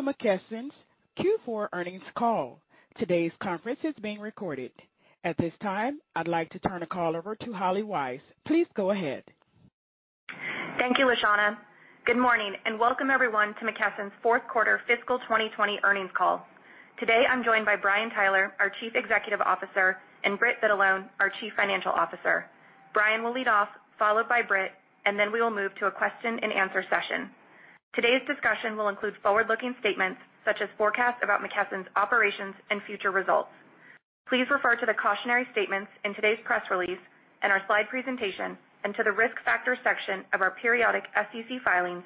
Welcome to McKesson's Q4 earnings call. Today's conference is being recorded. At this time, I'd like to turn the call over to Holly Weiss. Please go ahead. Thank you, Leshawna. Good morning, and welcome everyone to McKesson's fourth quarter fiscal 2020 earnings call. Today I'm joined by Brian Tyler, our Chief Executive Officer, and Britt Vitalone, our Chief Financial Officer. Brian will lead off, followed by Britt, and then we will move to a question and answer session. Today's discussion will include forward-looking statements such as forecasts about McKesson's operations and future results. Please refer to the cautionary statements in today's press release and our slide presentation, and to the Risk Factors section of our periodic SEC filings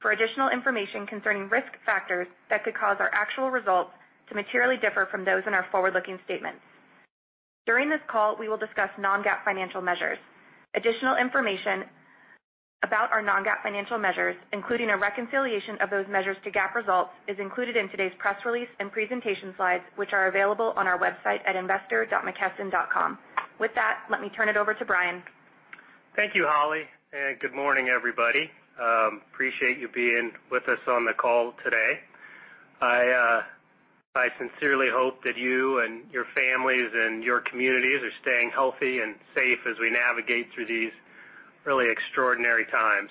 for additional information concerning risk factors that could cause our actual results to materially differ from those in our forward-looking statements. During this call, we will discuss non-GAAP financial measures. Additional information about our non-GAAP financial measures, including a reconciliation of those measures to GAAP results, is included in today's press release and presentation slides, which are available on our website at investor.mckesson.com. With that, let me turn it over to Brian. Thank you, Holly. Good morning, everybody. Appreciate you being with us on the call today. I sincerely hope that you and your families and your communities are staying healthy and safe as we navigate through these really extraordinary times.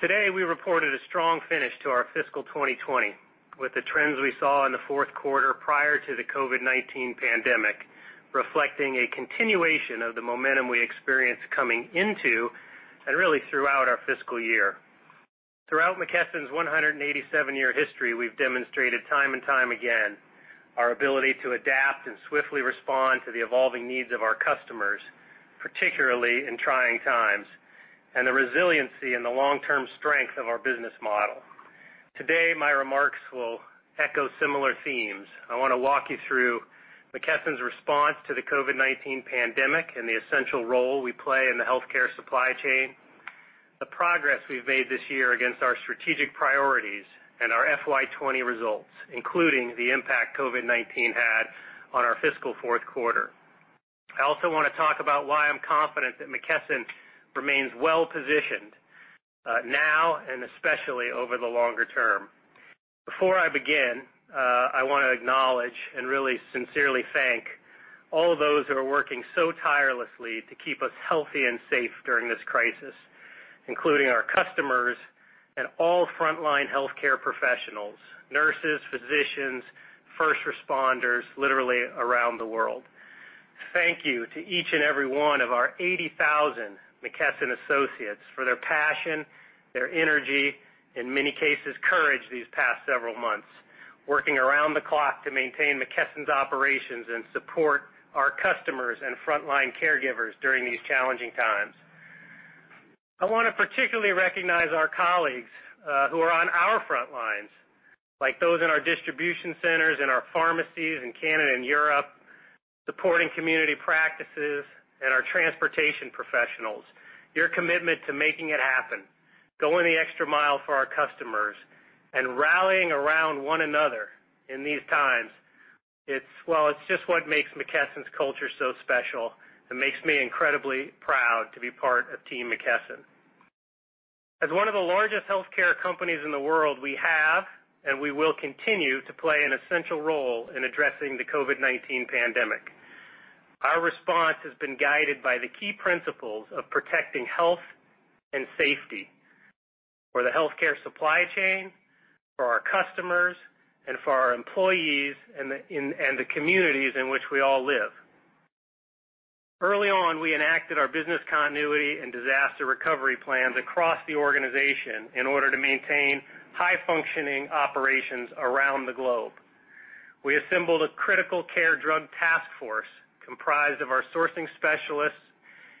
Today, we reported a strong finish to our fiscal 2020, with the trends we saw in the fourth quarter prior to the COVID-19 pandemic reflecting a continuation of the momentum we experienced coming into, and really throughout our fiscal year. Throughout McKesson's 187-year history, we've demonstrated time and time again our ability to adapt and swiftly respond to the evolving needs of our customers, particularly in trying times, and the resiliency and the long-term strength of our business model. Today, my remarks will echo similar themes. I want to walk you through McKesson's response to the COVID-19 pandemic and the essential role we play in the healthcare supply chain, the progress we've made this year against our strategic priorities and our FY 2020 results, including the impact COVID-19 had on our fiscal fourth quarter. I also want to talk about why I'm confident that McKesson remains well-positioned now and especially over the longer term. Before I begin, I want to acknowledge and really sincerely thank all those who are working so tirelessly to keep us healthy and safe during this crisis, including our customers and all frontline healthcare professionals, nurses, physicians, first responders, literally around the world. Thank you to each and every one of our 80,000 McKesson associates for their passion, their energy, in many cases courage these past several months, working around the clock to maintain McKesson's operations and support our customers and frontline caregivers during these challenging times. I want to particularly recognize our colleagues who are on our front lines, like those in our distribution centers and our pharmacies in Canada and Europe, supporting community practices and our transportation professionals. Your commitment to making it happen, going the extra mile for our customers and rallying around one another in these times, it's just what makes McKesson's culture so special and makes me incredibly proud to be part of Team McKesson. As one of the largest healthcare companies in the world, we have, and we will continue to play an essential role in addressing the COVID-19 pandemic. Our response has been guided by the key principles of protecting health and safety for the healthcare supply chain, for our customers, and for our employees and the communities in which we all live. Early on, we enacted our business continuity and disaster recovery plans across the organization in order to maintain high-functioning operations around the globe. We assembled a critical care drug task force comprised of our sourcing specialists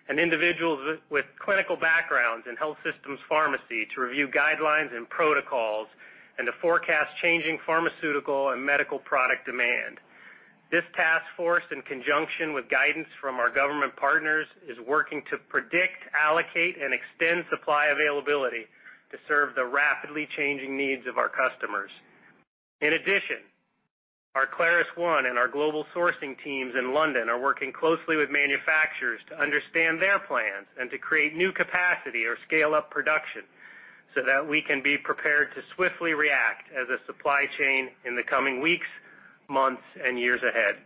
and individuals with clinical backgrounds in health systems pharmacy to review guidelines and protocols and to forecast changing pharmaceutical and medical product demand. This task force, in conjunction with guidance from our government partners, is working to predict, allocate, and extend supply availability to serve the rapidly changing needs of our customers. In addition, our ClarusONE and our global sourcing teams in London are working closely with manufacturers to understand their plans and to create new capacity or scale up production so that we can be prepared to swiftly react as a supply chain in the coming weeks, months, and years ahead.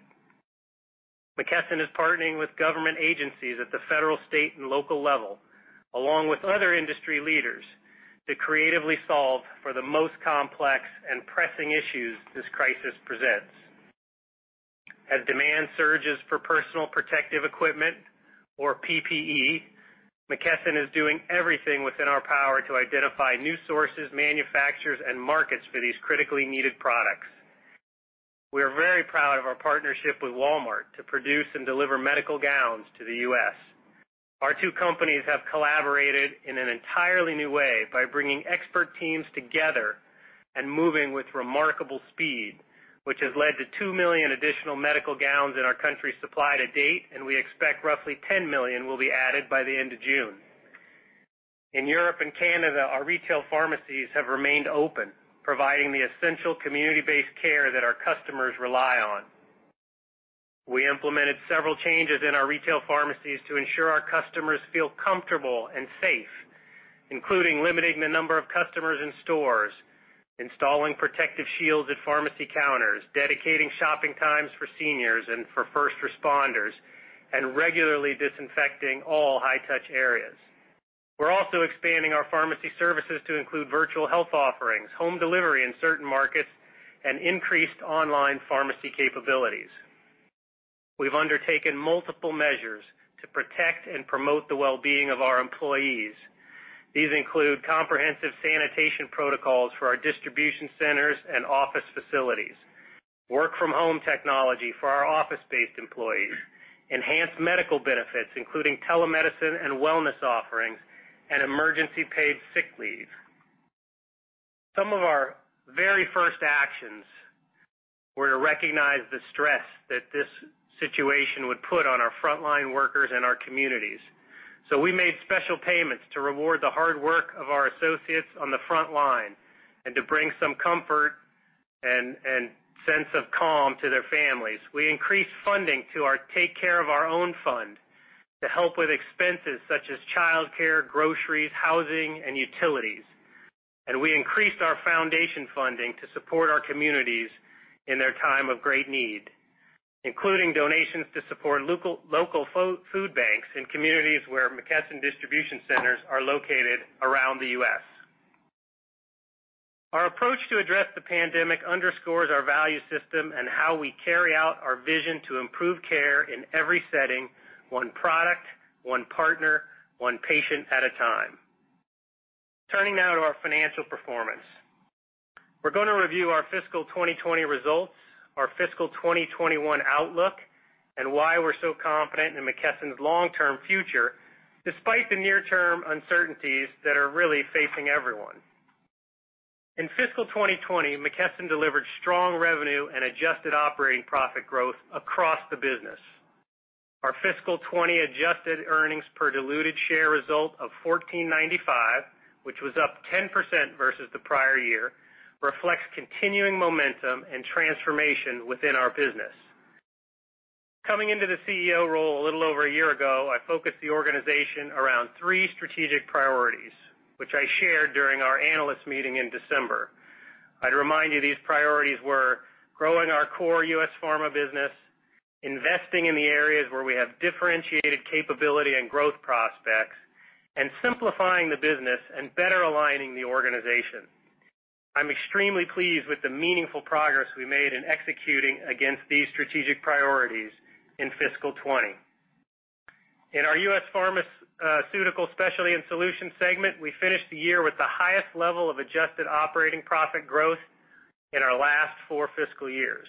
McKesson is partnering with government agencies at the federal, state, and local level, along with other industry leaders, to creatively solve for the most complex and pressing issues this crisis presents. As demand surges for personal protective equipment, or PPE, McKesson is doing everything within our power to identify new sources, manufacturers, and markets for these critically needed products. We are very proud of our partnership with Walmart to produce and deliver medical gowns to the U.S. Our two companies have collaborated in an entirely new way by bringing expert teams together and moving with remarkable speed, which has led to 2 million additional medical gowns in our country supplied to date, and we expect roughly 10 million will be added by the end of June. In Europe and Canada, our retail pharmacies have remained open, providing the essential community-based care that our customers rely on. We implemented several changes in our retail pharmacies to ensure our customers feel comfortable and safe, including limiting the number of customers in stores, installing protective shields at pharmacy counters, dedicating shopping times for seniors and for first responders, and regularly disinfecting all high-touch areas. We're also expanding our pharmacy services to include virtual health offerings, home delivery in certain markets, and increased online pharmacy capabilities. We've undertaken multiple measures to protect and promote the well-being of our employees. These include comprehensive sanitation protocols for our distribution centers and office facilities, work-from-home technology for our office-based employees, enhanced medical benefits, including telemedicine and wellness offerings, and emergency paid sick leave. Some of our very first actions were to recognize the stress that this situation would put on our frontline workers and our communities. We made special payments to reward the hard work of our associates on the front line and to bring some comfort and sense of calm to their families. We increased funding to our Take Care of Our Own Fund to help with expenses such as childcare, groceries, housing, and utilities. We increased our foundation funding to support our communities in their time of great need, including donations to support local food banks in communities where McKesson distribution centers are located around the U.S. Our approach to address the pandemic underscores our value system and how we carry out our vision to improve care in every setting, one product, one partner, one patient at a time. Turning now to our financial performance. We're going to review our fiscal 2020 results, our fiscal 2021 outlook, and why we're so confident in McKesson's long-term future, despite the near-term uncertainties that are really facing everyone. In fiscal 2020, McKesson delivered strong revenue and adjusted operating profit growth across the business. Our fiscal 2020 adjusted earnings per diluted share result of $14.95, which was up 10% versus the prior year, reflects continuing momentum and transformation within our business. Coming into the CEO role a little over a year ago, I focused the organization around three strategic priorities, which I shared during our analyst meeting in December. I'd remind you these priorities were growing our core U.S. pharma business, investing in the areas where we have differentiated capability and growth prospects, simplifying the business and better aligning the organization. I'm extremely pleased with the meaningful progress we made in executing against these strategic priorities in fiscal 2020. In our U.S. Pharmaceutical and Specialty Solutions segment, we finished the year with the highest level of adjusted operating profit growth in our last four fiscal years.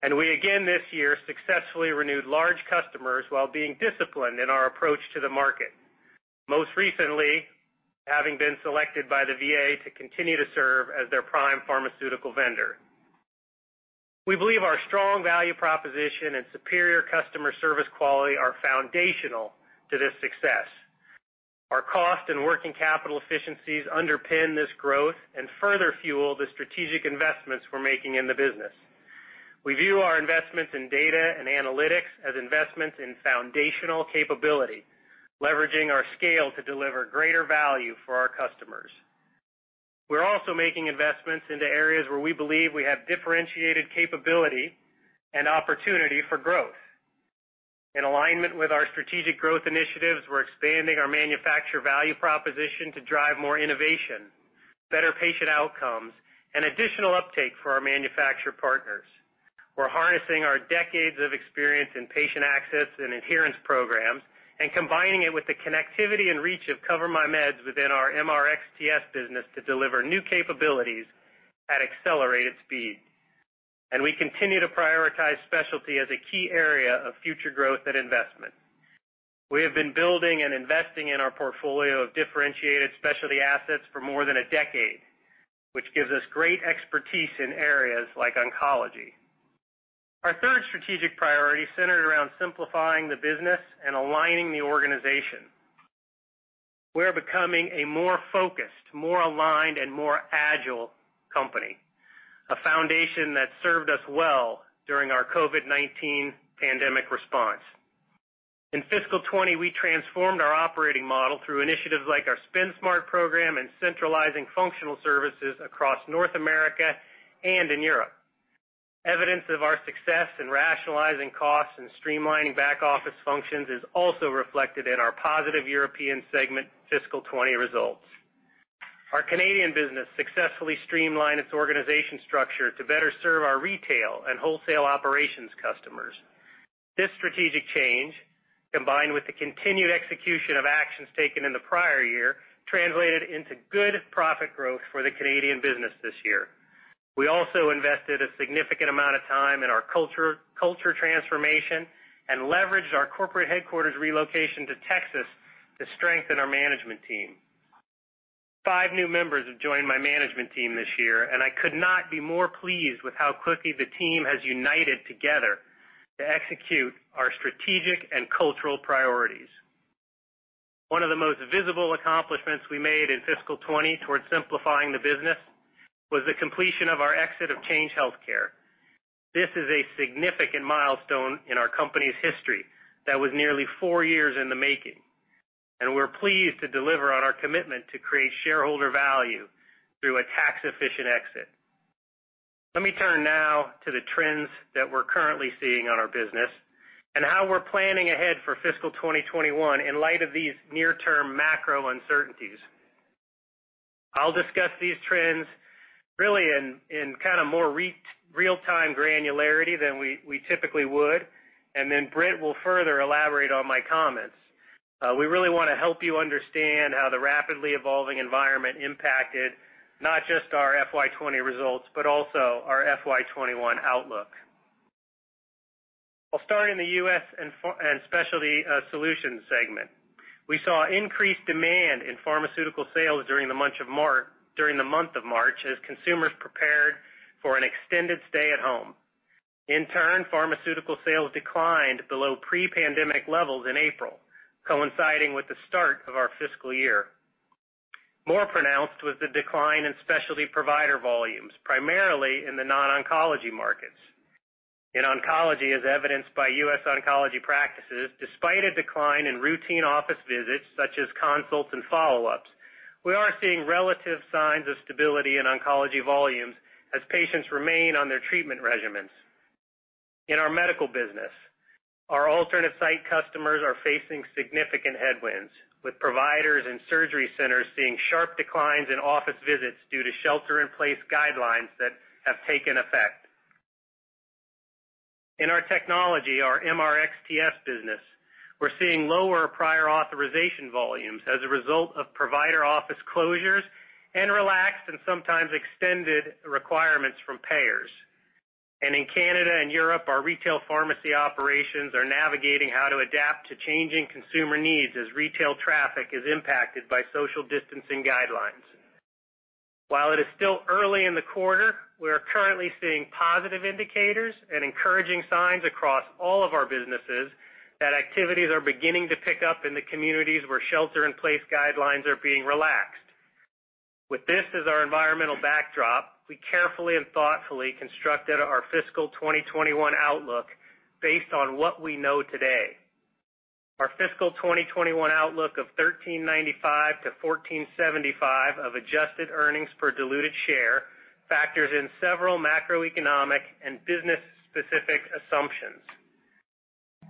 We again this year successfully renewed large customers while being disciplined in our approach to the market. Most recently, having been selected by the VA to continue to serve as their prime pharmaceutical vendor. We believe our strong value proposition and superior customer service quality are foundational to this success. Our cost and working capital efficiencies underpin this growth and further fuel the strategic investments we're making in the business. We view our investments in data and analytics as investments in foundational capability, leveraging our scale to deliver greater value for our customers. We're also making investments into areas where we believe we have differentiated capability and opportunity for growth. In alignment with our strategic growth initiatives, we're expanding our manufacturer value proposition to drive more innovation, better patient outcomes, and additional uptake for our manufacturer partners. We're harnessing our decades of experience in patient access and adherence programs and combining it with the connectivity and reach of CoverMyMeds within our MRxTS business to deliver new capabilities at accelerated speed. We continue to prioritize specialty as a key area of future growth and investment. We have been building and investing in our portfolio of differentiated specialty assets for more than a decade, which gives us great expertise in areas like oncology. Our third strategic priority centered around simplifying the business and aligning the organization. We're becoming a more focused, more aligned, and more agile company, a foundation that served us well during our COVID-19 pandemic response. In fiscal 2020, we transformed our operating model through initiatives like our Spend Smart program and centralizing functional services across North America and in Europe. Evidence of our success in rationalizing costs and streamlining back-office functions is also reflected in our positive European segment fiscal 2020 results. Our Canadian business successfully streamlined its organization structure to better serve our retail and wholesale operations customers. This strategic change, combined with the continued execution of actions taken in the prior year, translated into good profit growth for the Canadian business this year. We also invested a significant amount of time in our culture transformation and leveraged our corporate headquarters relocation to Texas to strengthen our management team. Five new members have joined my management team this year. I could not be more pleased with how quickly the team has united together to execute our strategic and cultural priorities. One of the most visible accomplishments we made in fiscal 2020 towards simplifying the business was the completion of our exit of Change Healthcare. This is a significant milestone in our company's history that was nearly four years in the making, and we're pleased to deliver on our commitment to create shareholder value through a tax-efficient exit. Let me turn now to the trends that we're currently seeing on our business and how we're planning ahead for fiscal 2021 in light of these near-term macro uncertainties. I'll discuss these trends really in kind of more real-time granularity than we typically would, and then Britt will further elaborate on my comments. We really want to help you understand how the rapidly evolving environment impacted not just our FY 2020 results but also our FY 2021 outlook. I'll start in the U.S. and Specialty Solutions segment. We saw increased demand in pharmaceutical sales during the month of March as consumers prepared for an extended stay at home. In turn, pharmaceutical sales declined below pre-pandemic levels in April, coinciding with the start of our fiscal year. More pronounced was the decline in specialty provider volumes, primarily in the non-oncology markets. In oncology, as evidenced by U.S. oncology practices, despite a decline in routine office visits such as consults and follow-ups, we are seeing relative signs of stability in oncology volumes as patients remain on their treatment regimens. In our medical business, our alternative site customers are facing significant headwinds, with providers and surgery centers seeing sharp declines in office visits due to shelter-in-place guidelines that have taken effect. In our technology, our MRxTS business, we're seeing lower prior authorization volumes as a result of provider office closures and relaxed and sometimes extended requirements from payers. In Canada and Europe, our retail pharmacy operations are navigating how to adapt to changing consumer needs as retail traffic is impacted by social distancing guidelines. While it is still early in the quarter, we are currently seeing positive indicators and encouraging signs across all of our businesses that activities are beginning to pick up in the communities where shelter-in-place guidelines are being relaxed. With this as our environmental backdrop, we carefully and thoughtfully constructed our fiscal 2021 outlook based on what we know today. Our fiscal 2021 outlook of $13.95-$14.75 of adjusted earnings per diluted share factors in several macroeconomic and business-specific assumptions.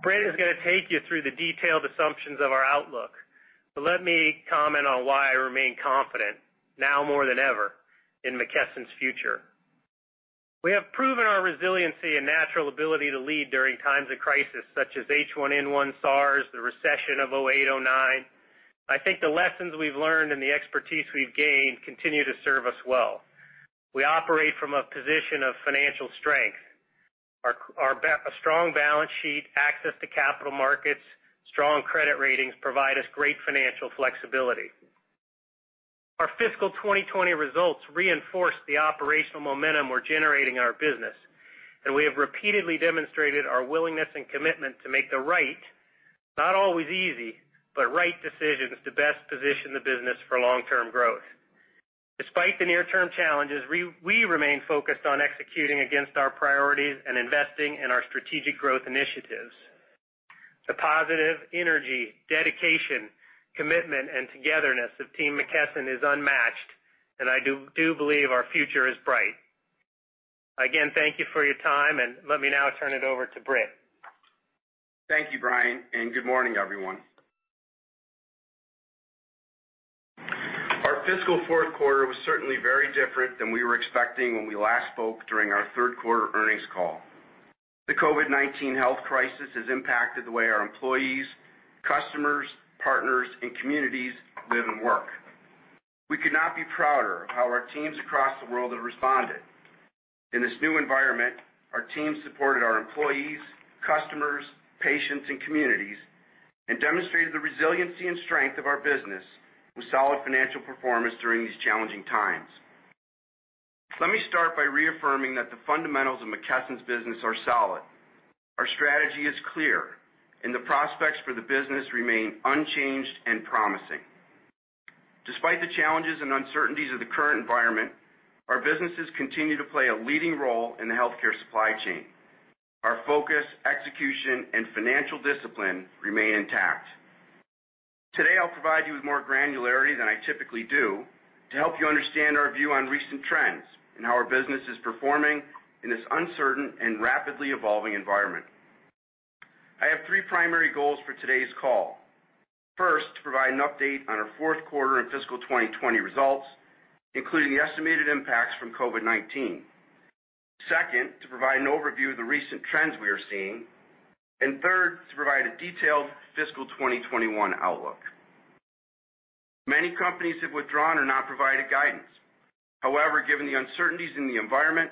Britt is going to take you through the detailed assumptions of our outlook. Let me comment on why I remain confident now more than ever in McKesson's future. We have proven our resiliency and natural ability to lead during times of crisis, such as H1N1, SARS, the recession of 2008, 2009. I think the lessons we've learned and the expertise we've gained continue to serve us well. We operate from a position of financial strength. Our strong balance sheet, access to capital markets, strong credit ratings provide us great financial flexibility. Our fiscal 2020 results reinforce the operational momentum we're generating in our business, and we have repeatedly demonstrated our willingness and commitment to make the right, not always easy, but right decisions to best position the business for long-term growth. Despite the near-term challenges, we remain focused on executing against our priorities and investing in our strategic growth initiatives. The positive energy, dedication, commitment, and togetherness of Team McKesson is unmatched, and I do believe our future is bright. Again, thank you for your time, and let me now turn it over to Britt. Thank you, Brian. Good morning, everyone. Our fiscal fourth quarter was certainly very different than we were expecting when we last spoke during our third quarter earnings call. The COVID-19 health crisis has impacted the way our employees, customers, partners, and communities live and work. We could not be prouder of how our teams across the world have responded. In this new environment, our team supported our employees, customers, patients, and communities and demonstrated the resiliency and strength of our business with solid financial performance during these challenging times. Let me start by reaffirming that the fundamentals of McKesson's business are solid. Our strategy is clear, and the prospects for the business remain unchanged and promising. Despite the challenges and uncertainties of the current environment, our businesses continue to play a leading role in the healthcare supply chain. Our focus, execution, and financial discipline remain intact. Today, I'll provide you with more granularity than I typically do to help you understand our view on recent trends and how our business is performing in this uncertain and rapidly evolving environment. I have three primary goals for today's call. First, to provide an update on our fourth quarter and fiscal 2020 results, including the estimated impacts from COVID-19. Second, to provide an overview of the recent trends we are seeing. Third, to provide a detailed fiscal 2021 outlook. Many companies have withdrawn or not provided guidance. However, given the uncertainties in the environment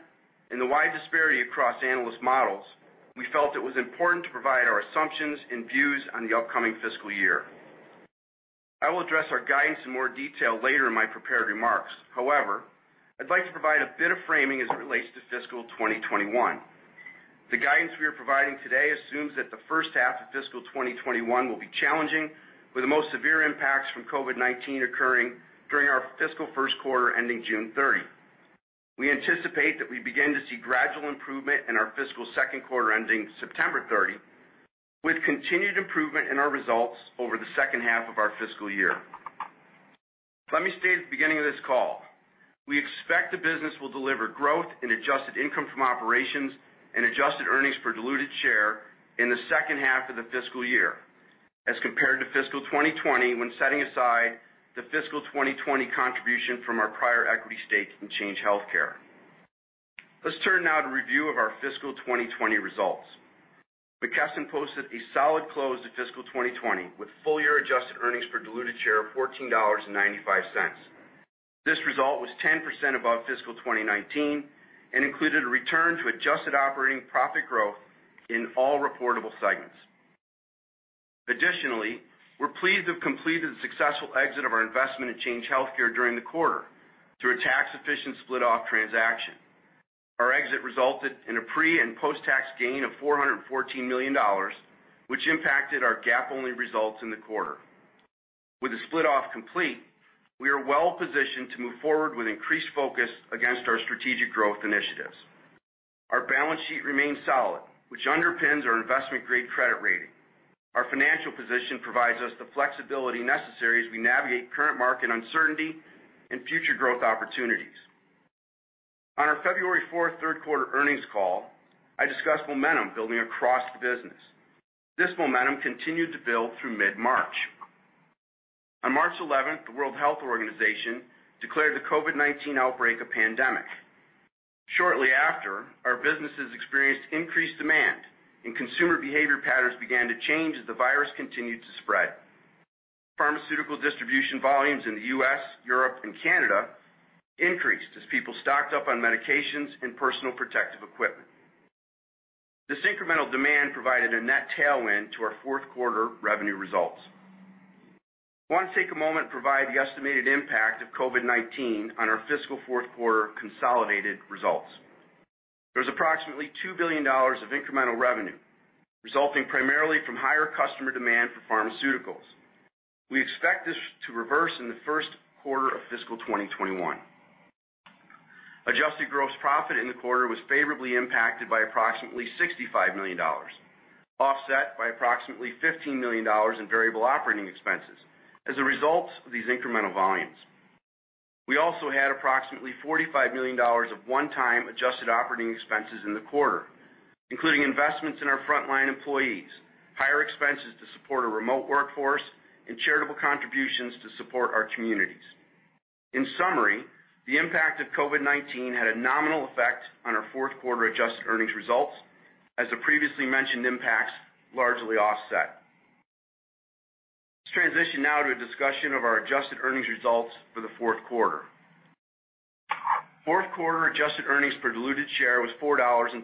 and the wide disparity across analyst models, we felt it was important to provide our assumptions and views on the upcoming fiscal year. I will address our guidance in more detail later in my prepared remarks. I'd like to provide a bit of framing as it relates to fiscal 2021. The guidance we are providing today assumes that the first half of fiscal 2021 will be challenging, with the most severe impacts from COVID-19 occurring during our fiscal first quarter ending June 30. We anticipate that we begin to see gradual improvement in our fiscal second quarter ending September 30, with continued improvement in our results over the second half of our fiscal year. Let me state at the beginning of this call, we expect the business will deliver growth in adjusted income from operations and adjusted earnings per diluted share in the second half of the fiscal year as compared to fiscal 2020 when setting aside the fiscal 2020 contribution from our prior equity stake in Change Healthcare. Let's turn now to review of our fiscal 2020 results. McKesson posted a solid close to fiscal 2020 with full year adjusted earnings per diluted share of $14.95. This result was 10% above fiscal 2019 and included a return to adjusted operating profit growth in all reportable segments. Additionally, we're pleased to have completed the successful exit of our investment at Change Healthcare during the quarter through a tax-efficient split-off transaction. Our exit resulted in a pre and post-tax gain of $414 million, which impacted our GAAP-only results in the quarter. With the split-off complete, we are well positioned to move forward with increased focus against our strategic growth initiatives. Our balance sheet remains solid, which underpins our investment-grade credit rating. Our financial position provides us the flexibility necessary as we navigate current market uncertainty and future growth opportunities. On our February 4th third quarter earnings call, I discussed momentum building across the business. This momentum continued to build through mid-March. On March 11th, the World Health Organization declared the COVID-19 outbreak a pandemic. Shortly after, our businesses experienced increased demand and consumer behavior patterns began to change as the virus continued to spread. Pharmaceutical distribution volumes in the U.S., Europe, and Canada increased as people stocked up on medications and personal protective equipment. This incremental demand provided a net tailwind to our fourth quarter revenue results. Want to take a moment and provide the estimated impact of COVID-19 on our fiscal fourth quarter consolidated results. There's approximately $2 billion of incremental revenue, resulting primarily from higher customer demand for pharmaceuticals. We expect this to reverse in the first quarter of fiscal 2021. Adjusted gross profit in the quarter was favorably impacted by approximately $65 million, offset by approximately $15 million in variable operating expenses as a result of these incremental volumes. We also had approximately $45 million of one-time adjusted operating expenses in the quarter, including investments in our frontline employees, higher expenses to support a remote workforce, and charitable contributions to support our communities. In summary, the impact of COVID-19 had a nominal effect on our fourth quarter adjusted earnings results as the previously mentioned impacts largely offset. Let's transition now to a discussion of our adjusted earnings results for the fourth quarter. Fourth quarter adjusted earnings per diluted share was $4.27,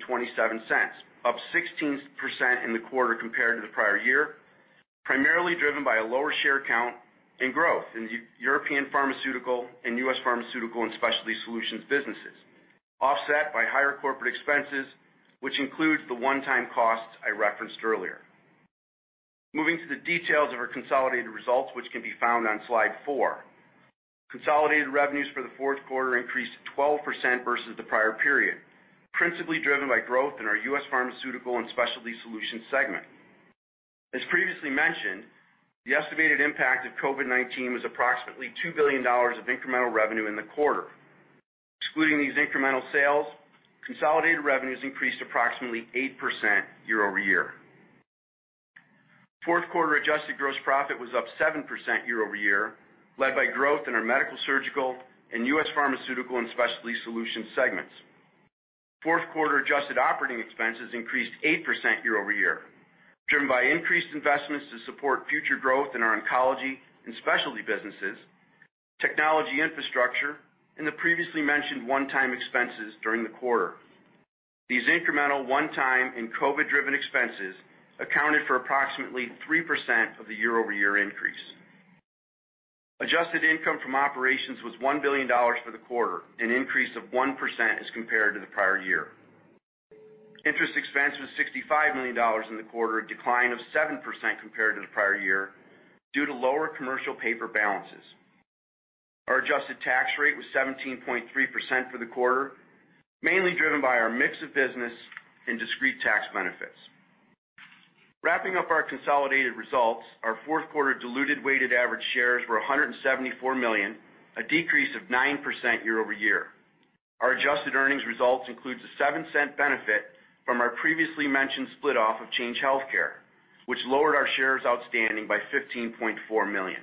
up 16% in the quarter compared to the prior year, primarily driven by a lower share count and growth in European Pharmaceutical and U.S. Pharmaceutical and Specialty Solutions businesses, offset by higher corporate expenses, which includes the one-time costs I referenced earlier. Moving to the details of our consolidated results, which can be found on slide four. Consolidated revenues for the fourth quarter increased 12% versus the prior period, principally driven by growth in our U.S. Pharmaceutical and Specialty Solutions segment. As previously mentioned, the estimated impact of COVID-19 was approximately $2 billion of incremental revenue in the quarter. Excluding these incremental sales, consolidated revenues increased approximately 8% year-over-year. Fourth quarter adjusted gross profit was up 7% year-over-year, led by growth in our Medical-Surgical and U.S. Pharmaceutical and Specialty Solutions segments. Fourth quarter adjusted operating expenses increased 8% year-over-year, driven by increased investments to support future growth in our oncology and specialty businesses, technology infrastructure, and the previously mentioned one-time expenses during the quarter. These incremental one-time and COVID-driven expenses accounted for approximately 3% of the year-over-year increase. Adjusted income from operations was $1 billion for the quarter, an increase of 1% as compared to the prior year. Interest expense was $65 million in the quarter, a decline of 7% compared to the prior year due to lower commercial paper balances. Our adjusted tax rate was 17.3% for the quarter, mainly driven by our mix of business and discrete tax benefits. Wrapping up our consolidated results, our fourth quarter diluted weighted average shares were 174 million, a decrease of 9% year-over-year. Our adjusted earnings results includes a $0.07 benefit from our previously mentioned split-off of Change Healthcare, which lowered our shares outstanding by 15.4 million.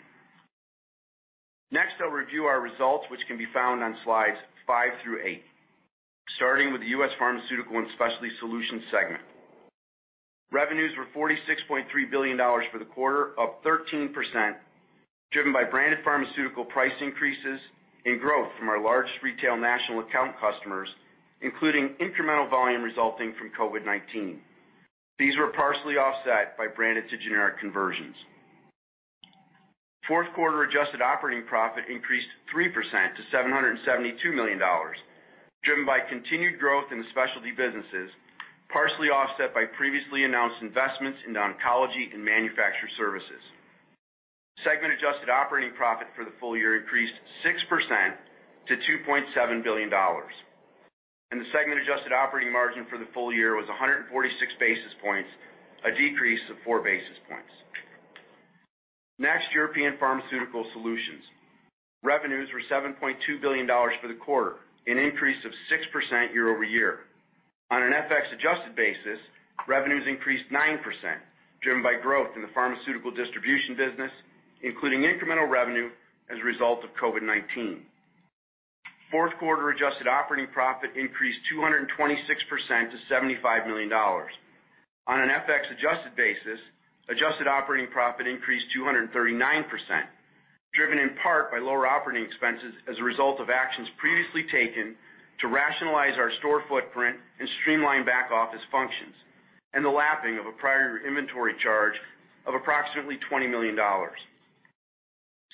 Next, I'll review our results, which can be found on slides five through eight. Starting with the U.S. Pharmaceutical and Specialty Solutions segment. Revenues were $46.3 billion for the quarter, up 13%, driven by branded pharmaceutical price increases and growth from our largest retail national account customers, including incremental volume resulting from COVID-19. These were partially offset by branded to generic conversions. Fourth quarter adjusted operating profit increased 3% to $772 million, driven by continued growth in the specialty businesses, partially offset by previously announced investments in the oncology and manufacturer services. Segment adjusted operating profit for the full year increased 6% to $2.7 billion, and the segment adjusted operating margin for the full year was 146 basis points, a decrease of 4 basis points. Next, European Pharmaceutical Solutions. Revenues were $7.2 billion for the quarter, an increase of 6% year-over-year. On an FX adjusted basis, revenues increased 9%, driven by growth in the pharmaceutical distribution business, including incremental revenue as a result of COVID-19. Fourth quarter adjusted operating profit increased 226% to $75 million. On an FX adjusted basis, adjusted operating profit increased 239%, driven in part by lower operating expenses as a result of actions previously taken to rationalize our store footprint and streamline back office functions, and the lapping of a prior inventory charge of approximately $20 million.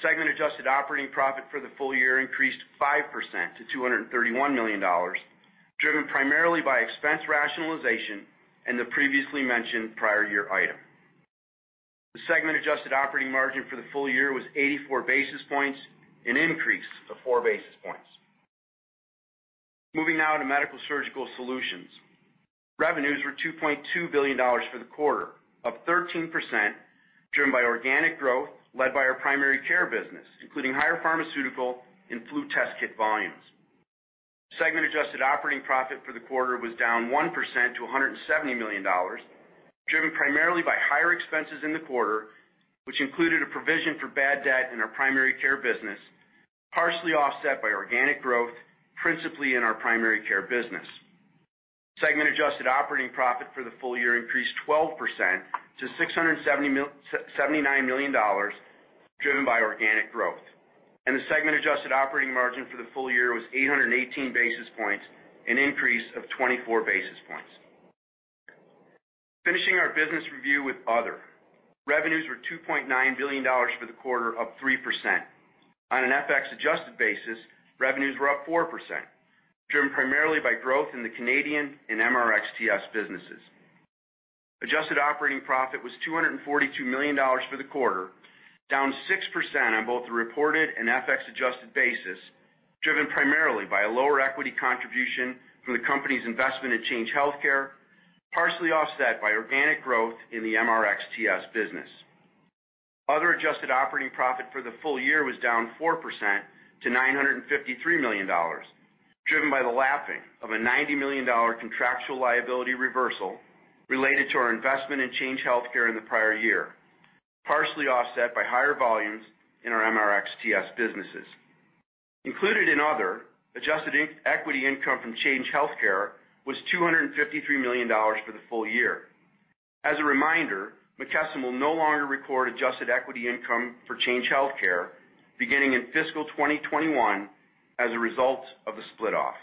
Segment adjusted operating profit for the full year increased 5% to $231 million, driven primarily by expense rationalization and the previously mentioned prior year item. The segment adjusted operating margin for the full year was 84 basis points, an increase of four basis points. Moving now to Medical-Surgical Solutions. Revenues were $2.2 billion for the quarter, up 13%, driven by organic growth led by our primary care business, including higher pharmaceutical and flu test kit volumes. Segment adjusted operating profit for the quarter was down 1% to $170 million, driven primarily by higher expenses in the quarter, which included a provision for bad debt in our primary care business, partially offset by organic growth, principally in our primary care business. Segment adjusted operating profit for the full year increased 12% to $679 million, driven by organic growth. The segment adjusted operating margin for the full year was 818 basis points, an increase of 24 basis points. Finishing our business review with Other. Revenues were $2.9 billion for the quarter, up 3%. On an FX adjusted basis, revenues were up 4%, driven primarily by growth in the Canadian and MRxTS businesses. Adjusted operating profit was $242 million for the quarter, down 6% on both the reported and FX adjusted basis, driven primarily by a lower equity contribution from the company's investment in Change Healthcare, partially offset by organic growth in the MRxTS business. Other adjusted operating profit for the full year was down 4% to $953 million, driven by the lapping of a $90 million contractual liability reversal related to our investment in Change Healthcare in the prior year, partially offset by higher volumes in our MRxTS businesses. Included in other, adjusted equity income from Change Healthcare was $253 million for the full year. As a reminder, McKesson will no longer record adjusted equity income for Change Healthcare beginning in fiscal 2021 as a result of the split-off.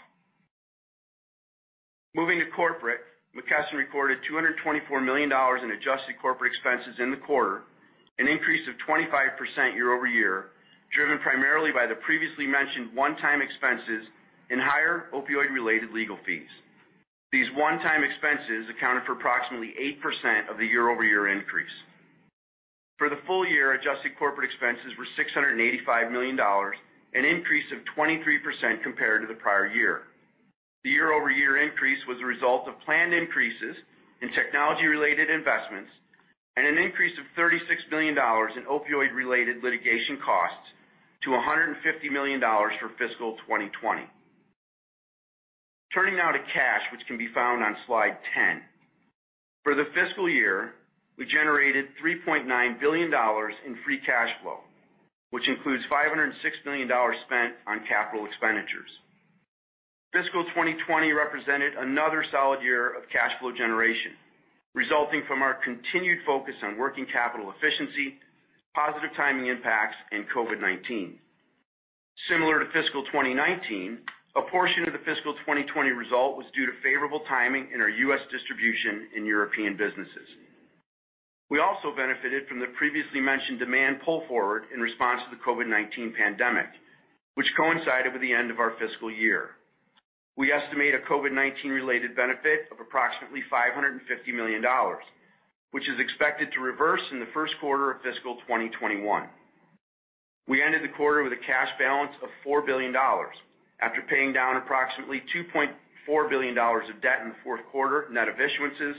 Moving to corporate, McKesson recorded $224 million in adjusted corporate expenses in the quarter, an increase of 25% year-over-year, driven primarily by the previously mentioned one-time expenses and higher opioid-related legal fees. These one-time expenses accounted for approximately 8% of the year-over-year increase. For the full year, adjusted corporate expenses were $685 million, an increase of 23% compared to the prior year. The year-over-year increase was a result of planned increases in technology-related investments and an increase of $36 million in opioid-related litigation costs to $150 million for fiscal 2020. Turning now to cash, which can be found on slide 10. For the fiscal year, we generated $3.9 billion in free cash flow, which includes $506 million spent on capital expenditures. Fiscal 2020 represented another solid year of cash flow generation, resulting from our continued focus on working capital efficiency, positive timing impacts, and COVID-19. Similar to fiscal 2019, a portion of the fiscal 2020 result was due to favorable timing in our U.S. distribution and European businesses. We also benefited from the previously mentioned demand pull forward in response to the COVID-19 pandemic, which coincided with the end of our fiscal year. We estimate a COVID-19 related benefit of approximately $550 million, which is expected to reverse in the first quarter of fiscal 2021. We ended the quarter with a cash balance of $4 billion after paying down approximately $2.4 billion of debt in the fourth quarter, net of issuances,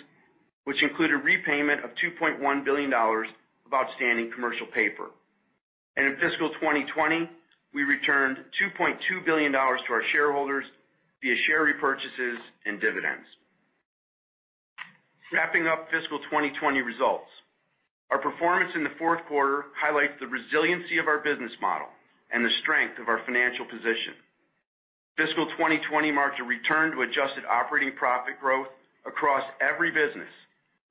which include a repayment of $2.1 billion of outstanding commercial paper. In fiscal 2020, we returned $2.2 billion to our shareholders via share repurchases and dividends. Wrapping up fiscal 2020 results. Our performance in the fourth quarter highlights the resiliency of our business model and the strength of our financial position. Fiscal 2020 marks a return to adjusted operating profit growth across every business,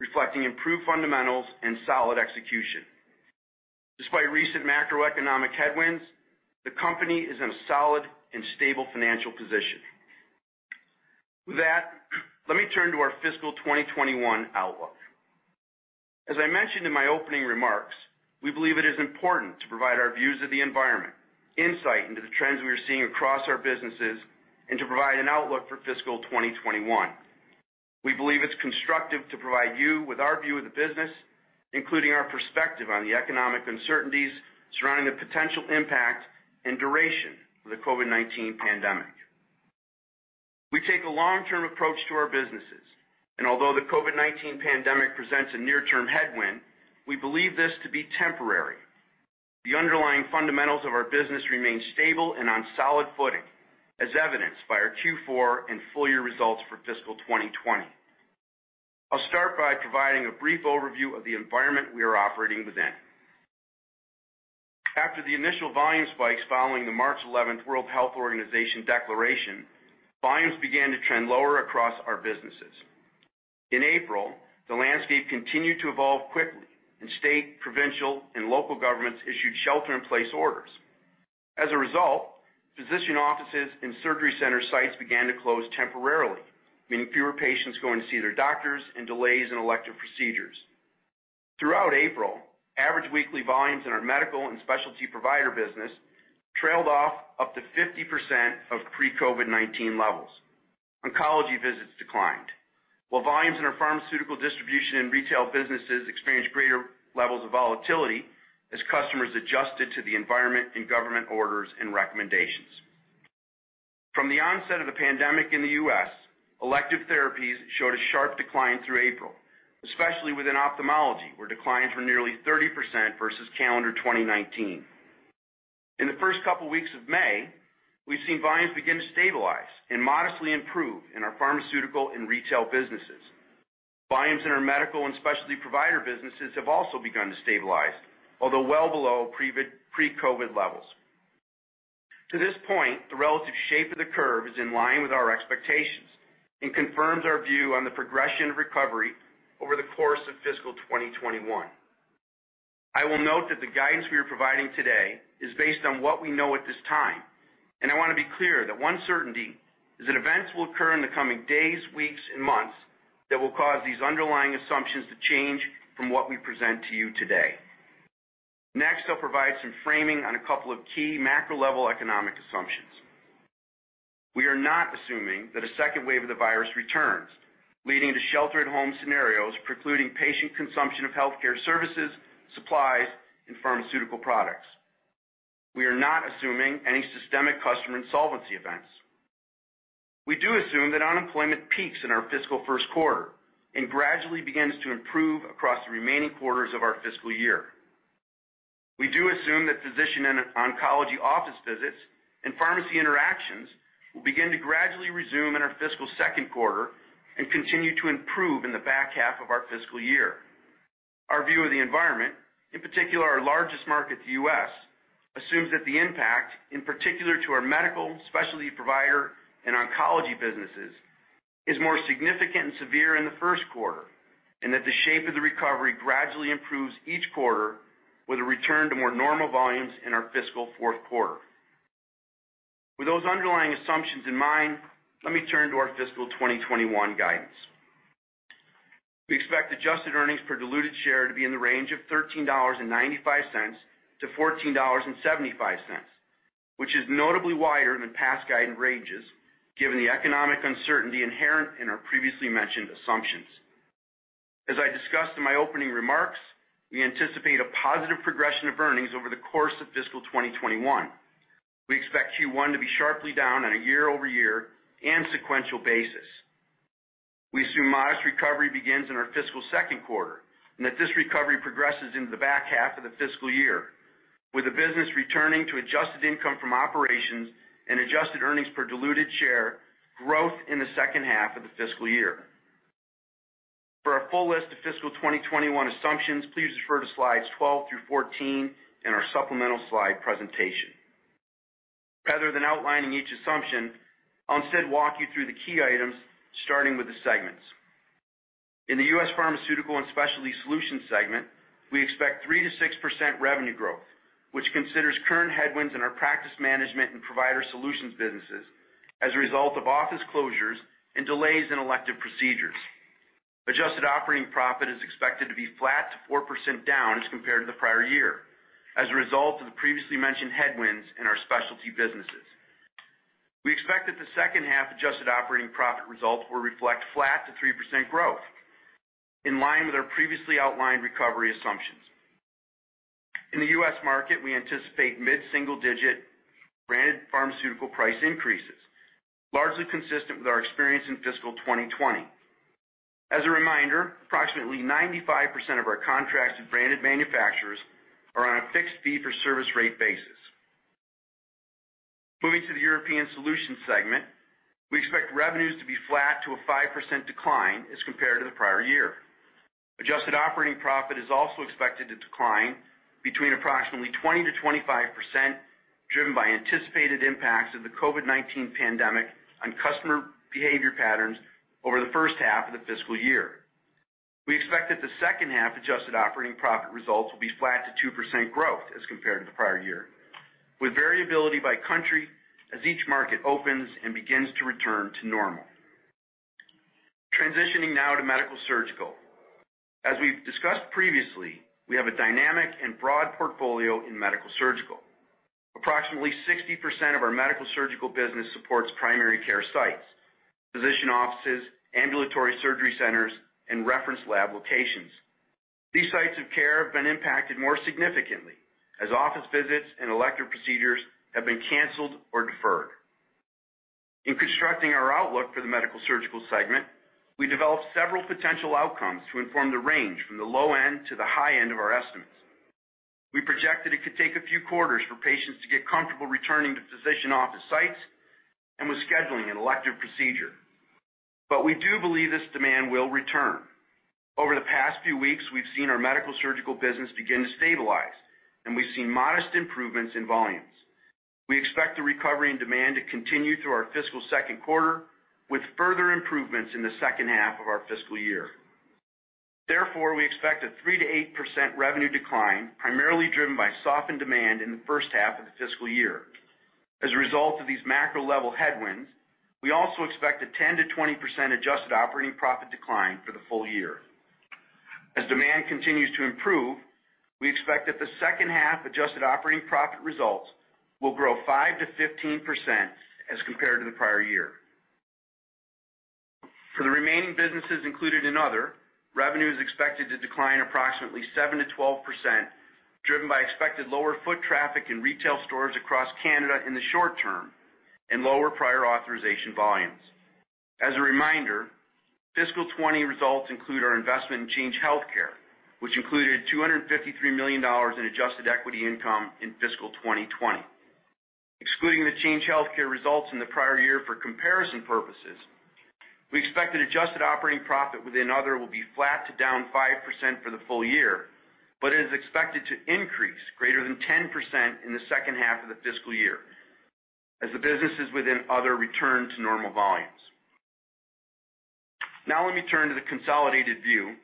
reflecting improved fundamentals and solid execution. Despite recent macroeconomic headwinds, the company is in a solid and stable financial position. With that, let me turn to our fiscal 2021 outlook. As I mentioned in my opening remarks, we believe it is important to provide our views of the environment, insight into the trends we are seeing across our businesses, and to provide an outlook for fiscal 2021. We believe it's constructive to provide you with our view of the business, including our perspective on the economic uncertainties surrounding the potential impact and duration of the COVID-19 pandemic. We take a long-term approach to our businesses, and although the COVID-19 pandemic presents a near-term headwind, we believe this to be temporary. The underlying fundamentals of our business remain stable and on solid footing, as evidenced by our Q4 and full-year results for fiscal 2020. I'll start by providing a brief overview of the environment we are operating within. After the initial volume spikes following the March 11th World Health Organization declaration, volumes began to trend lower across our businesses. In April, the landscape continued to evolve quickly, and state, provincial, and local governments issued shelter-in-place orders. As a result, physician offices and surgery center sites began to close temporarily, meaning fewer patients going to see their doctors and delays in elective procedures. Throughout April, average weekly volumes in our medical and specialty provider business trailed off up to 50% of pre-COVID-19 levels. Oncology visits declined, while volumes in our pharmaceutical distribution and retail businesses experienced greater levels of volatility as customers adjusted to the environment and government orders and recommendations. From the onset of the pandemic in the U.S., elective therapies showed a sharp decline through April, especially within ophthalmology, where declines were nearly 30% versus calendar 2019. In the first couple weeks of May, we've seen volumes begin to stabilize and modestly improve in our pharmaceutical and retail businesses. Volumes in our medical and specialty provider businesses have also begun to stabilize, although well below pre-COVID-19 levels. To this point, the relative shape of the curve is in line with our expectations and confirms our view on the progression of recovery over the course of fiscal 2021. I will note that the guidance we are providing today is based on what we know at this time, and I want to be clear that one certainty is that events will occur in the coming days, weeks, and months that will cause these underlying assumptions to change from what we present to you today. Next, I'll provide some framing on a couple of key macro-level economic assumptions. We are not assuming that a second wave of the virus returns, leading to shelter-at-home scenarios precluding patient consumption of healthcare services, supplies, and pharmaceutical products. We are not assuming any systemic customer insolvency events. We do assume that unemployment peaks in our fiscal first quarter and gradually begins to improve across the remaining quarters of our fiscal year. We do assume that physician and oncology office visits and pharmacy interactions will begin to gradually resume in our fiscal second quarter and continue to improve in the back half of our fiscal year. Our view of the environment, in particular our largest market, the U.S., assumes that the impact, in particular to our medical, specialty provider, and oncology businesses, is more significant and severe in the first quarter, and that the shape of the recovery gradually improves each quarter with a return to more normal volumes in our fiscal fourth quarter. With those underlying assumptions in mind, let me turn to our fiscal 2021 guidance. We expect adjusted earnings per diluted share to be in the range of $13.95 to $14.75, which is notably wider than the past guidance ranges, given the economic uncertainty inherent in our previously mentioned assumptions. As I discussed in my opening remarks, we anticipate a positive progression of earnings over the course of fiscal 2021. We expect Q1 to be sharply down on a year-over-year and sequential basis. We assume modest recovery begins in our fiscal second quarter, and that this recovery progresses into the back half of the fiscal year, with the business returning to adjusted operating income and adjusted earnings per diluted share growth in the second half of the fiscal year. For our full list of fiscal 2021 assumptions, please refer to slides 12 through 14 in our supplemental slide presentation. Rather than outlining each assumption, I'll instead walk you through the key items, starting with the segments. In the U.S. Pharmaceutical and Specialty Solutions segment, we expect 3%-6% revenue growth, which considers current headwinds in our practice management and provider solutions businesses as a result of office closures and delays in elective procedures. adjusted operating profit is expected to be flat to 4% down as compared to the prior year as a result of the previously mentioned headwinds in our specialty businesses. We expect that the second half adjusted operating profit results will reflect flat to 3% growth, in line with our previously outlined recovery assumptions. In the U.S. market, we anticipate mid-single-digit branded pharmaceutical price increases, largely consistent with our experience in fiscal 2020. As a reminder, approximately 95% of our contracts with branded manufacturers are on a fixed fee for service rate basis. Moving to the European Pharmaceutical Solutions segment, we expect revenues to be flat to a 5% decline as compared to the prior year. Adjusted operating profit is also expected to decline between approximately 20%-25%, driven by anticipated impacts of the COVID-19 pandemic on customer behavior patterns over the first half of the fiscal year. We expect that the second half adjusted operating profit results will be flat to 2% growth as compared to the prior year, with variability by country as each market opens and begins to return to normal. Transitioning now to Medical-Surgical Solutions. As we've discussed previously, we have a dynamic and broad portfolio in Medical-Surgical Solutions. Approximately 60% of our Medical-Surgical Solutions business supports primary care sites, physician offices, ambulatory surgery centers, and reference lab locations. These sites of care have been impacted more significantly as office visits and elective procedures have been canceled or deferred. In constructing our outlook for the Medical-Surgical Solutions segment, we developed several potential outcomes to inform the range from the low end to the high end of our estimates. We projected it could take a few quarters for patients to get comfortable returning to physician office sites and with scheduling an elective procedure. We do believe this demand will return. Over the past few weeks, we've seen our Medical-Surgical Solutions business begin to stabilize, and we've seen modest improvements in volumes. We expect the recovery and demand to continue through our fiscal second quarter, with further improvements in the second half of our fiscal year. We expect a 3%-8% revenue decline, primarily driven by softened demand in the first half of the fiscal year. As a result of these macro-level headwinds, we also expect a 10%-20% adjusted operating profit decline for the full year. As demand continues to improve, we expect that the second half adjusted operating profit results will grow 5%-15% as compared to the prior year. For the remaining businesses included in other, revenue is expected to decline approximately 7%-12%, driven by expected lower foot traffic in retail stores across Canada in the short term and lower prior authorization volumes. As a reminder, fiscal 2020 results include our investment in Change Healthcare, which included $253 million in adjusted equity income in fiscal 2020. Excluding the Change Healthcare results in the prior year for comparison purposes, we expect an adjusted operating profit within Other will be flat to down 5% for the full year, but is expected to increase greater than 10% in the second half of the fiscal year as the businesses within Other return to normal volumes. Now let me turn to the consolidated view.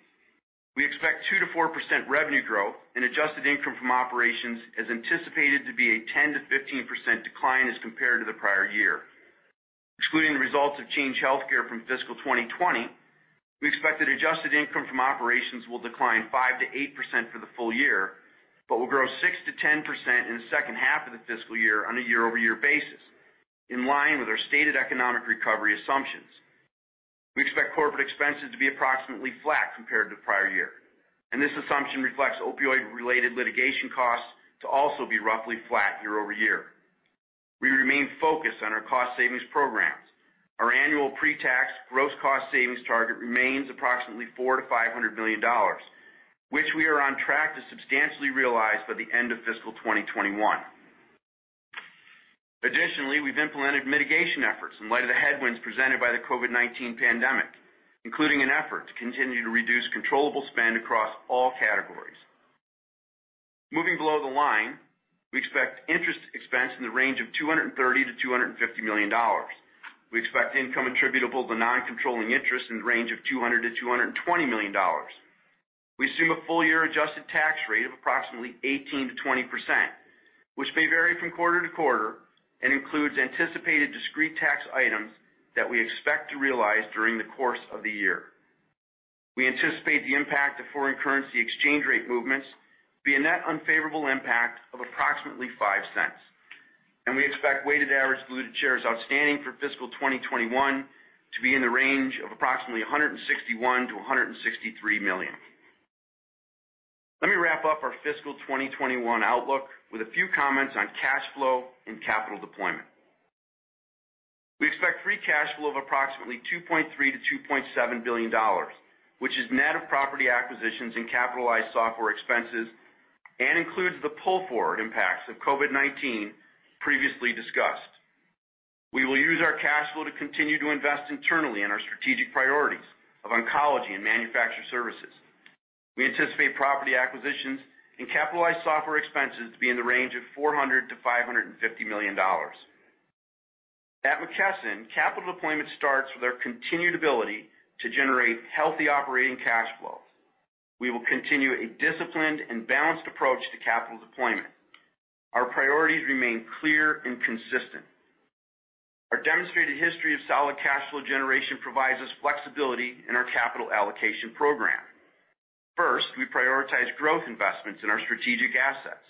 We expect 2%-4% revenue growth and adjusted income from operations is anticipated to be a 10%-15% decline as compared to the prior year. Excluding the results of Change Healthcare from fiscal 2020, we expect that adjusted income from operations will decline 5%-8% for the full year, but will grow 6%-10% in the second half of the fiscal year on a year-over-year basis, in line with our stated economic recovery assumptions. We expect corporate expenses to be approximately flat compared to the prior year, and this assumption reflects opioid-related litigation costs to also be roughly flat year-over-year. We remain focused on our cost savings programs. Our annual pre-tax gross cost savings target remains approximately $400 million-$500 million, which we are on track to substantially realize by the end of fiscal 2021. Additionally, we've implemented mitigation efforts in light of the headwinds presented by the COVID-19 pandemic, including an effort to continue to reduce controllable spend across all categories. Moving below the line, we expect interest expense in the range of $230 million-$250 million. We expect income attributable to non-controlling interests in the range of $200 million-$220 million. We assume a full-year adjusted tax rate of approximately 18%-20%, which may vary from quarter to quarter and includes anticipated discrete tax items that we expect to realize during the course of the year. We anticipate the impact of foreign currency exchange rate movements, be a net unfavorable impact of approximately $0.05. We expect weighted average diluted shares outstanding for fiscal 2021 to be in the range of approximately 161 million-163 million. Let me wrap up our fiscal 2021 outlook with a few comments on cash flow and capital deployment. We expect free cash flow of approximately $2.3 billion-$2.7 billion, which is net of property acquisitions and capitalized software expenses and includes the pull-forward impacts of COVID-19 previously discussed. We will use our cash flow to continue to invest internally in our strategic priorities of oncology and manufacturer services. We anticipate property acquisitions and capitalized software expenses to be in the range of $400 million-$550 million. At McKesson, capital deployment starts with our continued ability to generate healthy operating cash flows. We will continue a disciplined and balanced approach to capital deployment. Our priorities remain clear and consistent. Our demonstrated history of solid cash flow generation provides us flexibility in our capital allocation program. First, we prioritize growth investments in our strategic assets.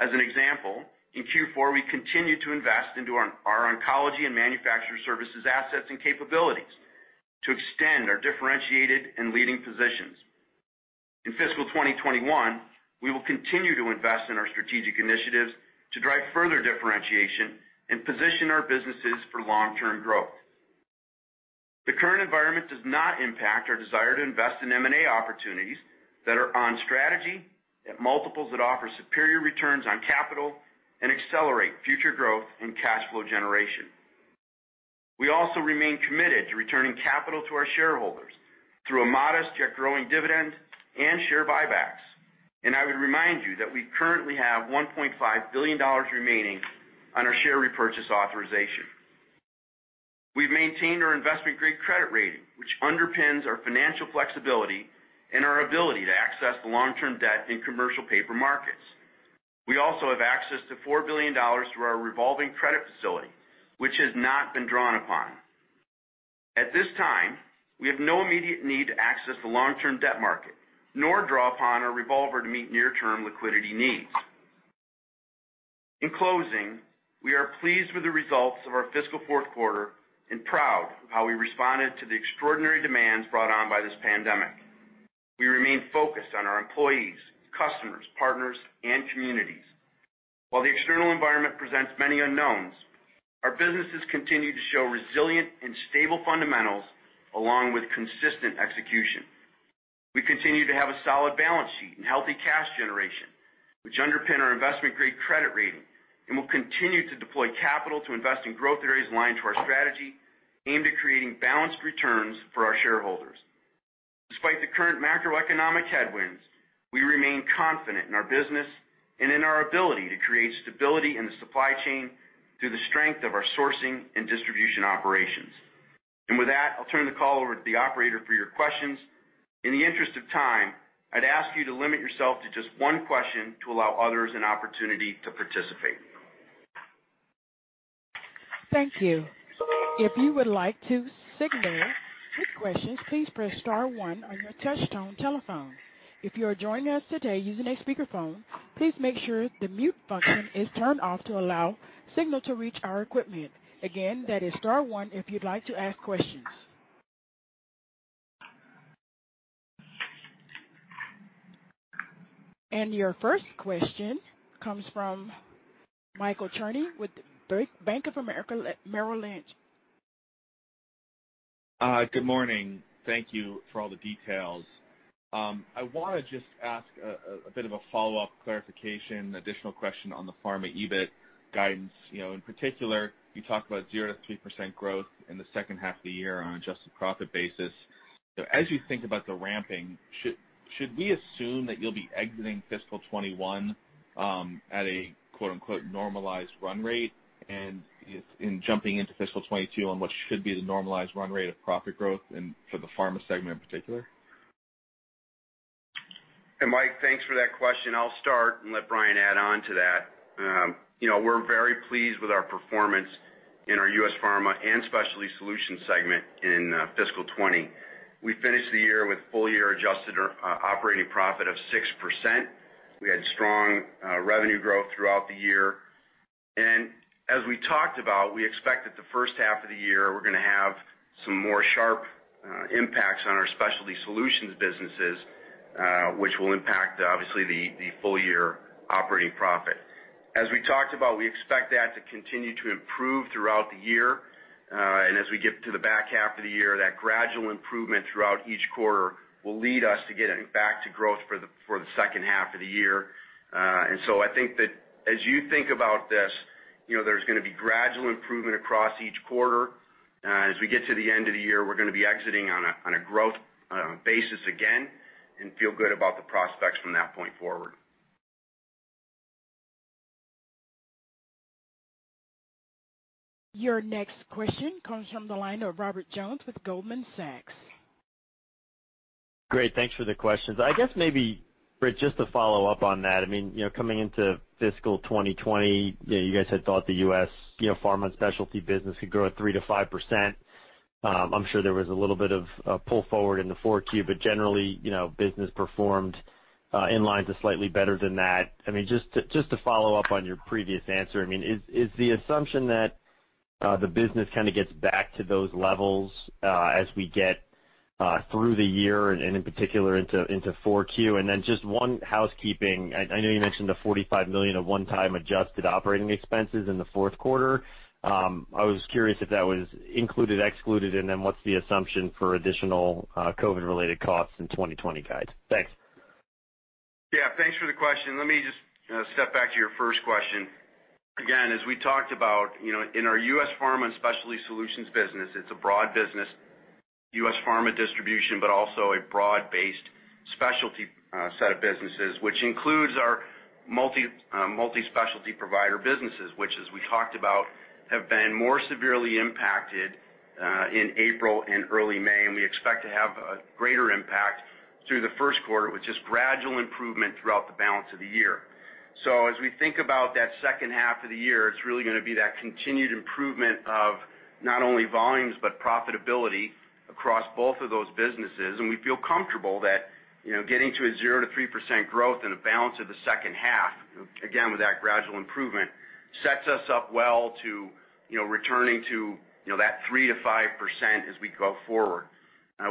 As an example, in Q4, we continued to invest into our oncology and manufacturer services assets and capabilities to extend our differentiated and leading positions. In fiscal 2021, we will continue to invest in our strategic initiatives to drive further differentiation and position our businesses for long-term growth. The current environment does not impact our desire to invest in M&A opportunities that are on strategy, at multiples that offer superior returns on capital, and accelerate future growth and cash flow generation. We also remain committed to returning capital to our shareholders through a modest yet growing dividend and share buybacks, and I would remind you that we currently have $1.5 billion remaining on our share repurchase authorization. We've maintained our investment-grade credit rating, which underpins our financial flexibility and our ability to access the long-term debt and commercial paper markets. We also have access to $4 billion through our revolving credit facility, which has not been drawn upon. At this time, we have no immediate need to access the long-term debt market, nor draw upon our revolver to meet near-term liquidity needs. In closing, we are pleased with the results of our fiscal fourth quarter and proud of how we responded to the extraordinary demands brought on by this pandemic. We remain focused on our employees, customers, partners, and communities. While the external environment presents many unknowns, our businesses continue to show resilient and stable fundamentals along with consistent execution. We continue to have a solid balance sheet and healthy cash generation, which underpin our investment-grade credit rating and will continue to deploy capital to invest in growth areas aligned to our strategy, aimed at creating balanced returns for our shareholders. Despite the current macroeconomic headwinds, we remain confident in our business and in our ability to create stability in the supply chain through the strength of our sourcing and distribution operations. With that, I'll turn the call over to the operator for your questions. In the interest of time, I'd ask you to limit yourself to just one question to allow others an opportunity to participate. Thank you. If you would like to signal your questions, please press star one on your touchtone telephone. If you are joining us today using a speakerphone, please make sure the mute function is turned off to allow signal to reach our equipment. Again, that is star one if you'd like to ask questions. Your first question comes from Michael Cherny with Bank of America Merrill Lynch. Good morning. Thank you for all the details. I want to just ask a bit of a follow-up clarification, additional question on the pharma EBIT guidance. In particular, you talked about 0%-3% growth in the second half of the year on an adjusted profit basis. As you think about the ramping, should we assume that you'll be exiting fiscal 2021, at a quote unquote "normalized run rate" and in jumping into fiscal 2022 on what should be the normalized run rate of profit growth and for the pharma segment in particular? Hey, Mike, thanks for that question. I'll start and let Brian add on to that. We're very pleased with our performance in our U.S. Pharma and Specialty Solutions segment in fiscal 2020. We finished the year with full-year adjusted operating profit of 6%. We had strong revenue growth throughout the year. As we talked about, we expect that the first half of the year, we're going to have some more sharp impacts on our Specialty Solutions businesses, which will impact, obviously, the full-year operating profit. As we talked about, we expect that to continue to improve throughout the year. As we get to the back half of the year, that gradual improvement throughout each quarter will lead us to getting back to growth for the second half of the year. I think that as you think about this, there's going to be gradual improvement across each quarter. As we get to the end of the year, we're going to be exiting on a growth basis again and feel good about the prospects from that point forward. Your next question comes from the line of Robert Jones with Goldman Sachs. Great. Thanks for the questions. I guess maybe, Britt, just to follow up on that, coming into fiscal 2020, you guys had thought the U.S. Pharma and Specialty business could grow at 3%-5%. I'm sure there was a little bit of pull forward in the 4Q, but generally, business performed in line to slightly better than that. Just to follow up on your previous answer, is the assumption that the business kind of gets back to those levels, as we get through the year and in particular into 4Q? Just one housekeeping. I know you mentioned the $45 million of one-time adjusted operating expenses in the fourth quarter. I was curious if that was included, excluded, and then what's the assumption for additional COVID-related costs in 2020 guides? Thanks. Yeah, thanks for the question. Let me just step back to your first question. Again, as we talked about, in our U.S. Pharmaceutical and Specialty Solutions business, it's a broad business, U.S. Pharma distribution, but also a broad-based specialty set of businesses, which includes our multi-specialty provider businesses, which, as we talked about, have been more severely impacted, in April and early May, and we expect to have a greater impact through the first quarter, which is gradual improvement throughout the balance of the year. As we think about that second half of the year, it's really going to be that continued improvement of not only volumes, but profitability across both of those businesses. We feel comfortable that getting to a 0%-3% growth in the balance of the second half, again, with that gradual improvement, sets us up well to returning to that 3%-5% as we go forward.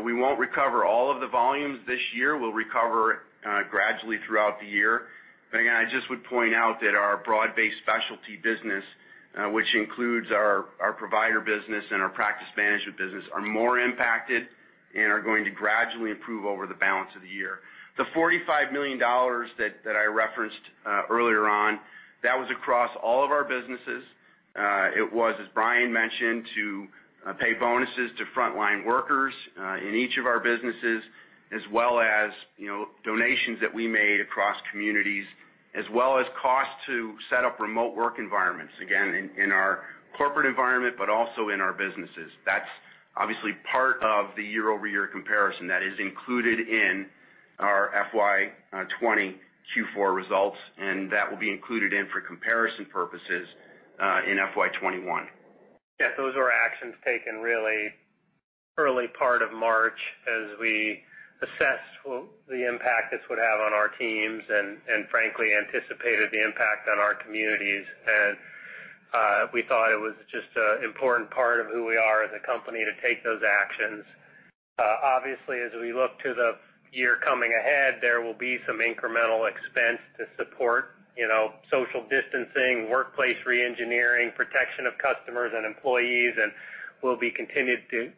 We won't recover all of the volumes this year. We'll recover gradually throughout the year. Again, I just would point out that our broad-based specialty business, which includes our provider business and our practice management business, are more impacted and are going to gradually improve over the balance of the year. The $45 million that I referenced earlier on, that was across all of our businesses. It was, as Brian mentioned, to pay bonuses to frontline workers, in each of our businesses, as well as donations that we made across communities. As well as cost to set up remote work environments, again, in our corporate environment, but also in our businesses. That's obviously part of the year-over-year comparison that is included in our FY 2020 Q4 results, and that will be included in for comparison purposes in FY 2021. Yes, those were actions taken really early part of March as we assessed the impact this would have on our teams and frankly anticipated the impact on our communities. We thought it was just an important part of who we are as a company to take those actions. Obviously, as we look to the year coming ahead, there will be some incremental expense to support social distancing, workplace re-engineering, protection of customers and employees, and we'll be continued to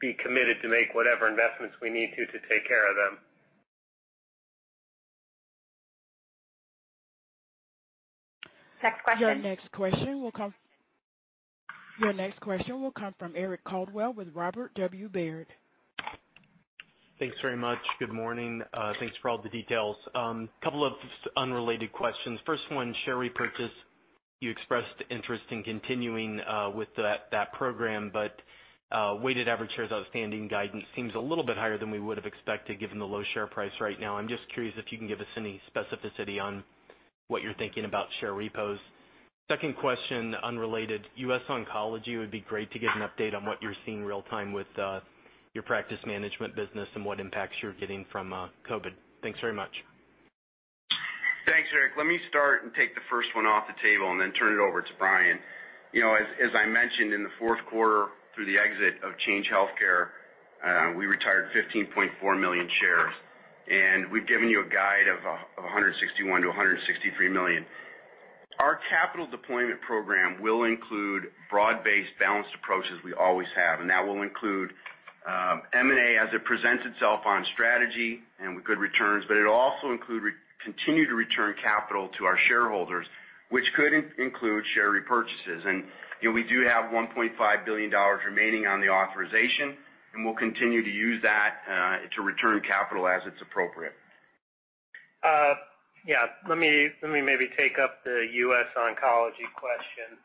be committed to make whatever investments we need to take care of them. Next question. Your next question will come from Eric Coldwell with Robert W. Baird. Thanks very much. Good morning. Thanks for all the details. Couple of unrelated questions. First one, share repurchase. You expressed interest in continuing with that program, but weighted average shares outstanding guidance seems a little bit higher than we would've expected, given the low share price right now. I'm just curious if you can give us any specificity on what you're thinking about share repos. Second question, unrelated. US Oncology, it would be great to get an update on what you're seeing real time with your practice management business and what impacts you're getting from COVID. Thanks very much. Thanks, Eric. Let me start and take the first one off the table and then turn it over to Brian. As I mentioned, in the fourth quarter, through the exit of Change Healthcare, we retired 15.4 million shares, and we've given you a guide of 161 million to 163 million. Our capital deployment program will include broad-based balanced approaches, we always have, and that will include M&A as it presents itself on strategy and with good returns, but it'll also include continue to return capital to our shareholders, which could include share repurchases. We do have $1.5 billion remaining on the authorization, and we'll continue to use that to return capital as it's appropriate. Let me maybe take up the US Oncology question.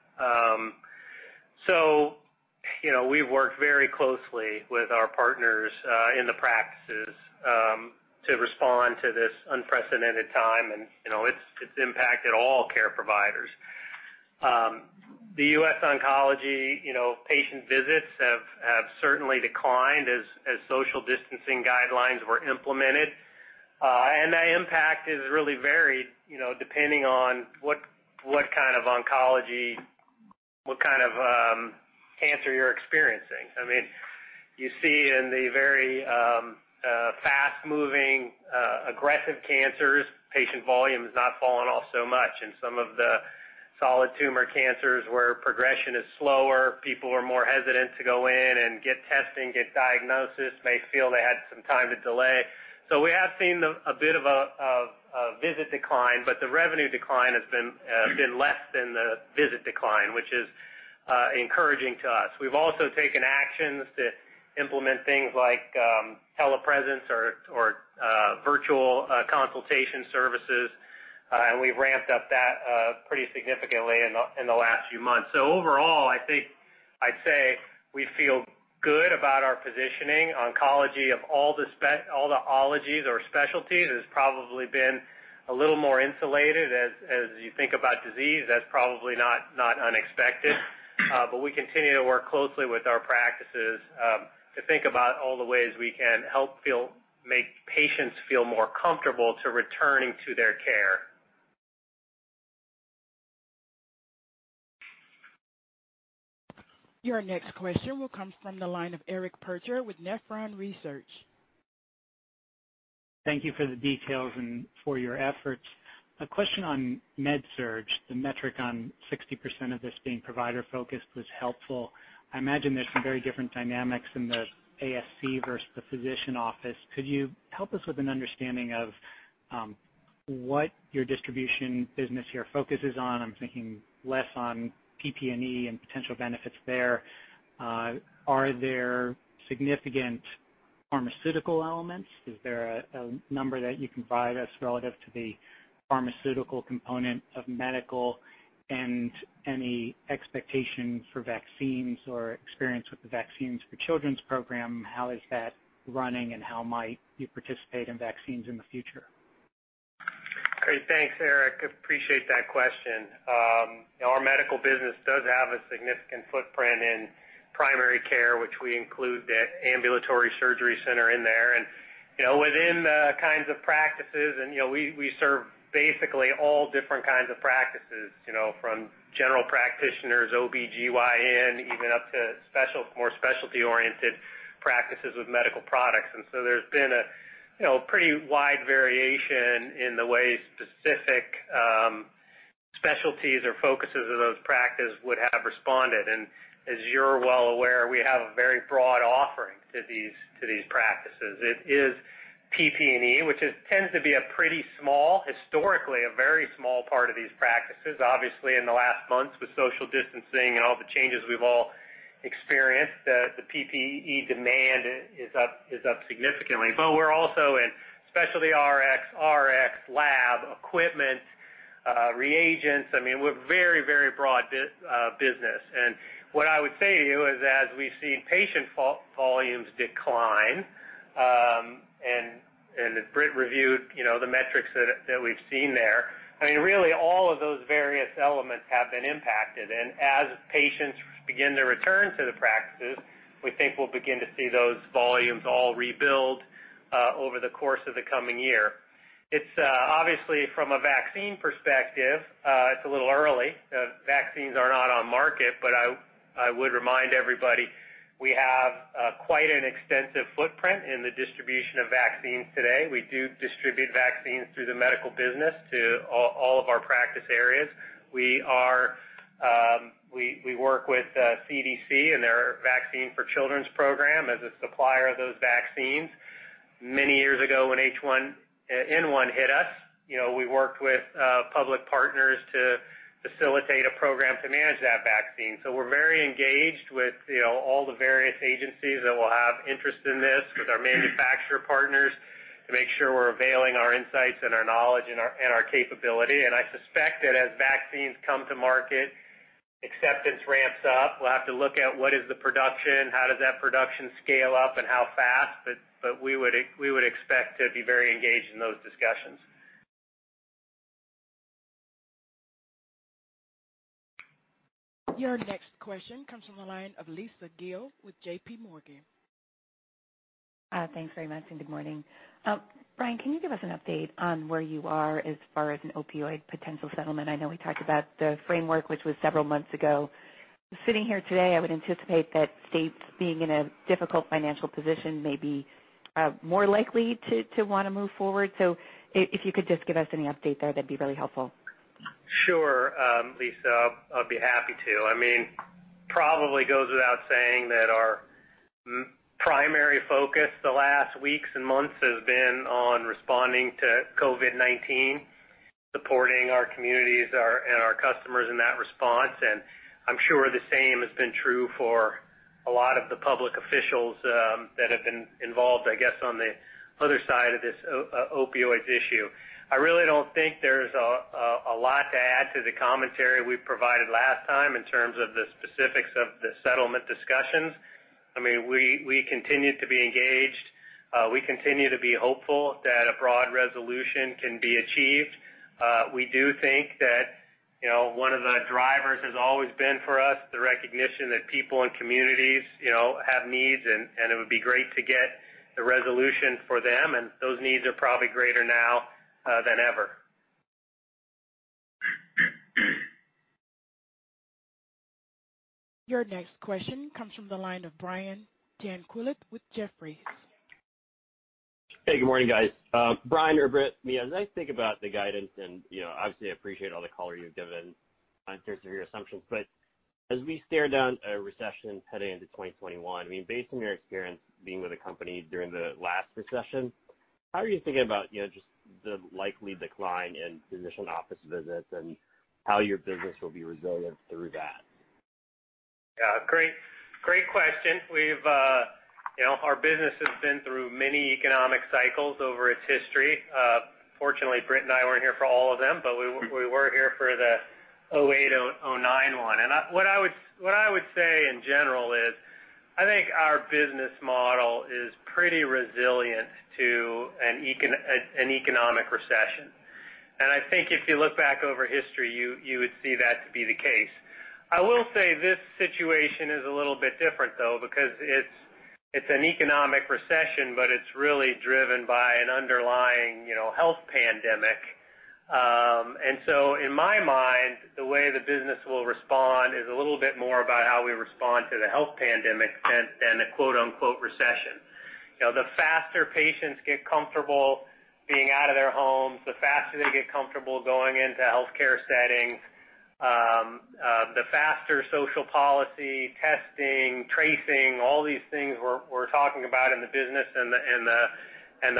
We've worked very closely with our partners in the practices to respond to this unprecedented time, and it's impacted all care providers. The US Oncology patient visits have certainly declined as social distancing guidelines were implemented. That impact has really varied, depending on what kind of oncology, what kind of cancer you're experiencing. You see in the very fast-moving aggressive cancers, patient volume has not fallen off so much. In some of the solid tumor cancers where progression is slower, people are more hesitant to go in and get testing, get diagnosis, may feel they had some time to delay. We have seen a bit of a visit decline, but the revenue decline has been less than the visit decline, which is encouraging to us. We've also taken actions to implement things like telepresence or virtual consultation services, and we've ramped up that pretty significantly in the last few months. Overall, I'd say we feel good about our positioning. Oncology, of all the ologies or specialties, has probably been a little more insulated. As you think about disease, that's probably not unexpected. We continue to work closely with our practices to think about all the ways we can help make patients feel more comfortable to returning to their care. Your next question will come from the line of Eric Percher with Nephron Research. Thank you for the details and for your efforts. A question on Med Surg. The metric on 60% of this being provider focused was helpful. I imagine there's some very different dynamics in the ASC versus the physician office. Could you help us with an understanding of what your distribution business here focuses on? I'm thinking less on PPE and potential benefits there. Are there significant pharmaceutical elements? Is there a number that you can provide us relative to the pharmaceutical component of medical and any expectation for vaccines or experience with the Vaccines for Children program? How is that running, and how might you participate in vaccines in the future? Great. Thanks, Eric. Appreciate that question. Our medical business does have a significant footprint in primary care, which we include the ambulatory surgery center in there. Within the kinds of practices, and we serve basically all different kinds of practices, from general practitioners, OBGYN, even up to more specialty-oriented practices with medical products. So there's been a pretty wide variation in the way specific specialties or focuses of those practice would have responded. As you're well aware, we have a very broad offering to these practices. It is PPE, which tends to be a pretty small, historically, a very small part of these practices. Obviously, in the last months, with social distancing and all the changes we've all experienced, the PPE demand is up significantly. We're also in specialty Rx lab, equipment, reagents. We're very broad business. What I would say to you is, as we've seen patient volumes decline, as Britt reviewed the metrics that we've seen there, really all of those various elements have been impacted. As patients begin to return to the practices, we think we'll begin to see those volumes all rebuild over the course of the coming year. Obviously, from a vaccine perspective, it's a little early. Vaccines are not on market. I would remind everybody, we have quite an extensive footprint in the distribution of vaccines today. We do distribute vaccines through the medical business to all of our practice areas. We work with CDC and their Vaccines for Children program as a supplier of those vaccines. Many years ago, when H1N1 hit us, we worked with public partners to facilitate a program to manage that vaccine. We're very engaged with all the various agencies that will have interest in this, with our manufacturer partners to make sure we're availing our insights and our knowledge and our capability. I suspect that as vaccines come to market, acceptance ramps up. We'll have to look at what is the production, how does that production scale up, and how fast. We would expect to be very engaged in those discussions. Your next question comes from the line of Lisa Gill with JPMorgan. Thanks very much. Good morning. Brian, can you give us an update on where you are as far as an opioid potential settlement? I know we talked about the framework, which was several months ago. Sitting here today, I would anticipate that states being in a difficult financial position may be more likely to want to move forward. If you could just give us any update there, that'd be really helpful. Sure. Lisa, I'll be happy to. Probably goes without saying that our primary focus the last weeks and months has been on responding to COVID-19, supporting our communities and our customers in that response, and I'm sure the same has been true for a lot of the public officials that have been involved, I guess, on the other side of this opioid issue. I really don't think there's a lot to add to the commentary we provided last time in terms of the specifics of the settlement discussions. We continue to be engaged. We continue to be hopeful that a broad resolution can be achieved. We do think that one of the drivers has always been, for us, the recognition that people and communities have needs, and it would be great to get a resolution for them, and those needs are probably greater now than ever. Your next question comes from the line of Brian Tanquilut with Jefferies. Hey, good morning, guys. Brian, or Britt, maybe, as I think about the guidance, and obviously I appreciate all the color you've given in terms of your assumptions, but as we stare down a recession heading into 2021, based on your experience being with the company during the last recession, how are you thinking about just the likely decline in physician office visits and how your business will be resilient through that? Yeah, great question. Our business has been through many economic cycles over its history. Fortunately, Britt and I weren't here for all of them, but we were here for the 2008, 2009 one. What I would say, in general, is I think our business model is pretty resilient to an economic recession. I think if you look back over history, you would see that to be the case. I will say this situation is a little bit different, though, because it's an economic recession, but it's really driven by an underlying health pandemic. In my mind, the way the business will respond is a little bit more about how we respond to the health pandemic than the "recession." The faster patients get comfortable being out of their homes, the faster they get comfortable going into healthcare settings, the faster social policy, testing, tracing, all these things we're talking about in the business and the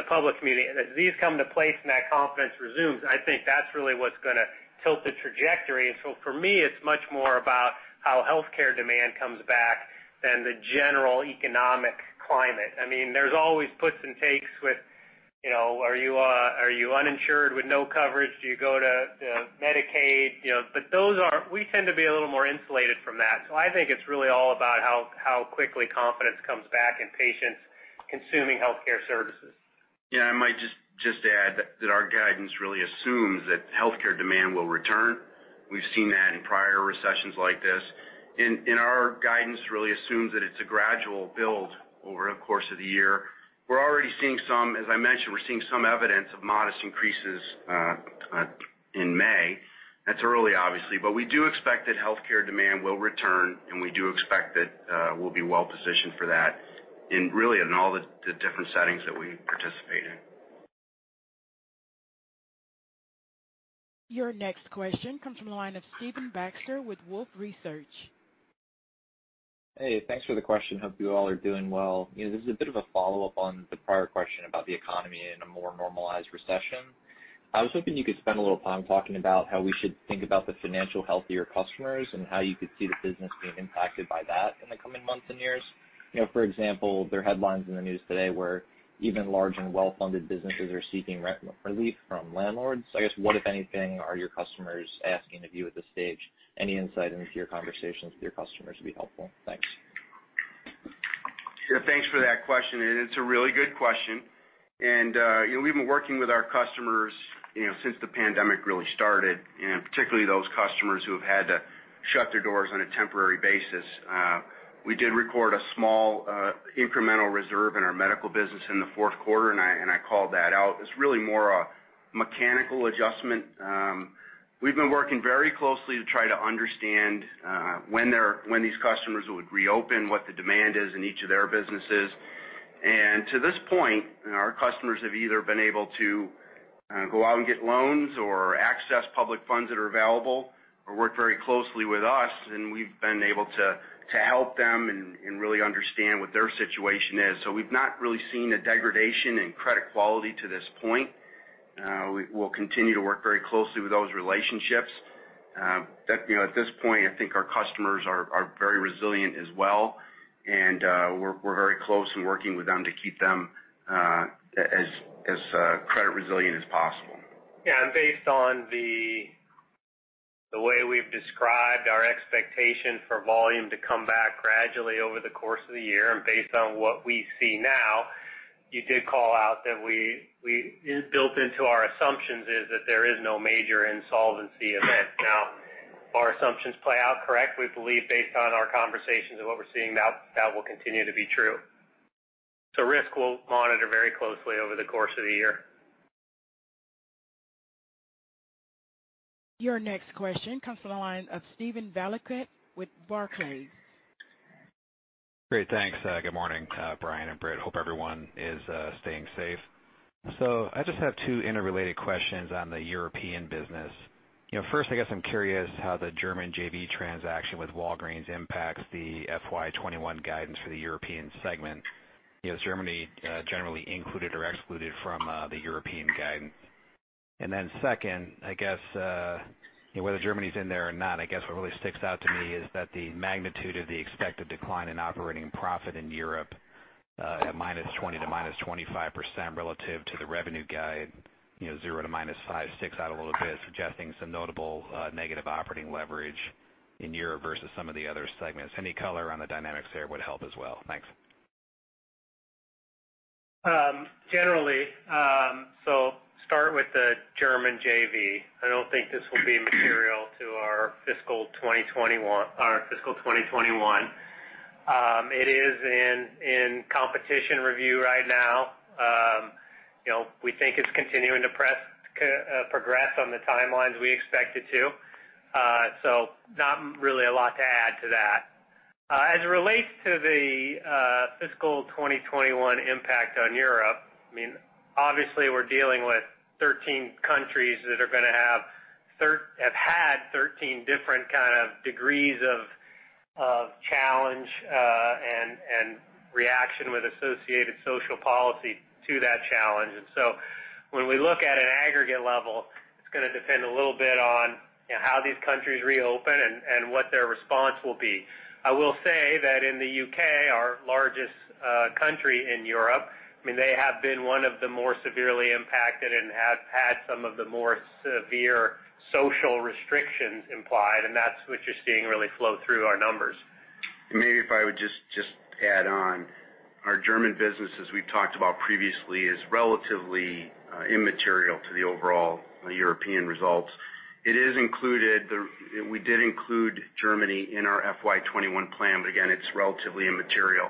public meeting. As these come into place and that confidence resumes, I think that's really what's going to tilt the trajectory. For me, it's much more about how healthcare demand comes back than the general economic climate. There's always puts and takes with are you uninsured with no coverage? Do you go to Medicaid? We tend to be a little more insulated from that. I think it's really all about how quickly confidence comes back in patients consuming healthcare services. Yeah, I might just add that our guidance really assumes that healthcare demand will return. We've seen that in prior recessions like this. Our guidance really assumes that it's a gradual build over the course of the year. We're already seeing some, as I mentioned, we're seeing some evidence of modest increases in May. That's early, obviously, but we do expect that healthcare demand will return, and we do expect that we'll be well-positioned for that in really all the different settings that we participate in. Your next question comes from the line of Stephen Baxter with Wolfe Research. Hey, thanks for the question. Hope you all are doing well. This is a bit of a follow-up on the prior question about the economy in a more normalized recession. I was hoping you could spend a little time talking about how we should think about the financial health of your customers and how you could see the business being impacted by that in the coming months and years. For example, there are headlines in the news today where even large and well-funded businesses are seeking rent relief from landlords. I guess, what, if anything, are your customers asking of you at this stage? Any insight into your conversations with your customers would be helpful. Thanks. Yeah, thanks for that question, and it's a really good question. We've been working with our customers since the pandemic really started, and particularly those customers who have had to shut their doors on a temporary basis. We did record a small incremental reserve in our medical business in the fourth quarter, and I called that out. It's really more a mechanical adjustment. We've been working very closely to try to understand when these customers would reopen, what the demand is in each of their businesses. To this point, our customers have either been able to go out and get loans or access public funds that are available or work very closely with us, and we've been able to help them and really understand what their situation is. We've not really seen a degradation in credit quality to this point. We'll continue to work very closely with those relationships. At this point, I think our customers are very resilient as well, and we're very close and working with them to keep them as credit resilient as possible. Yeah, based on the way we've described our expectation for volume to come back gradually over the course of the year and based on what we see now, you did call out that built into our assumptions is that there is no major insolvency event. If our assumptions play out correct, we believe based on our conversations and what we're seeing now, that will continue to be true. Risk, we'll monitor very closely over the course of the year. Your next question comes from the line of Steven Valiquette with Barclays. Great. Thanks. Good morning, Brian and Britt. Hope everyone is staying safe. I just have two interrelated questions on the European business. First, I guess I'm curious how the German JV transaction with Walgreens impacts the FY 2021 guidance for the European segment. Is Germany generally included or excluded from the European guidance? Second, I guess whether Germany's in there or not, I guess what really sticks out to me is that the magnitude of the expected decline in operating profit in Europe at -20% to -25% relative to the revenue guide, 0% to -5%, sticks out a little bit, suggesting some notable negative operating leverage in Europe versus some of the other segments. Any color on the dynamics there would help as well. Thanks. Start with the German JV. I don't think this will be material to our fiscal 2021. It is in competition review right now. We think it's continuing to progress on the timelines we expect it to. Not really a lot to add to that. As it relates to the fiscal 2021 impact on Europe, obviously, we're dealing with 13 countries that have had 13 different kind of degrees of challenge, and reaction with associated social policy to that challenge. When we look at an aggregate level, it's going to depend a little bit on how these countries reopen and what their response will be. I will say that in the U.K., our largest country in Europe, they have been one of the more severely impacted and have had some of the more severe social restrictions imposed. That's what you're seeing really flow through our numbers. Maybe if I would just add on, our German business, as we've talked about previously, is relatively immaterial to the overall European results. We did include Germany in our FY 2021 plan, but again, it's relatively immaterial.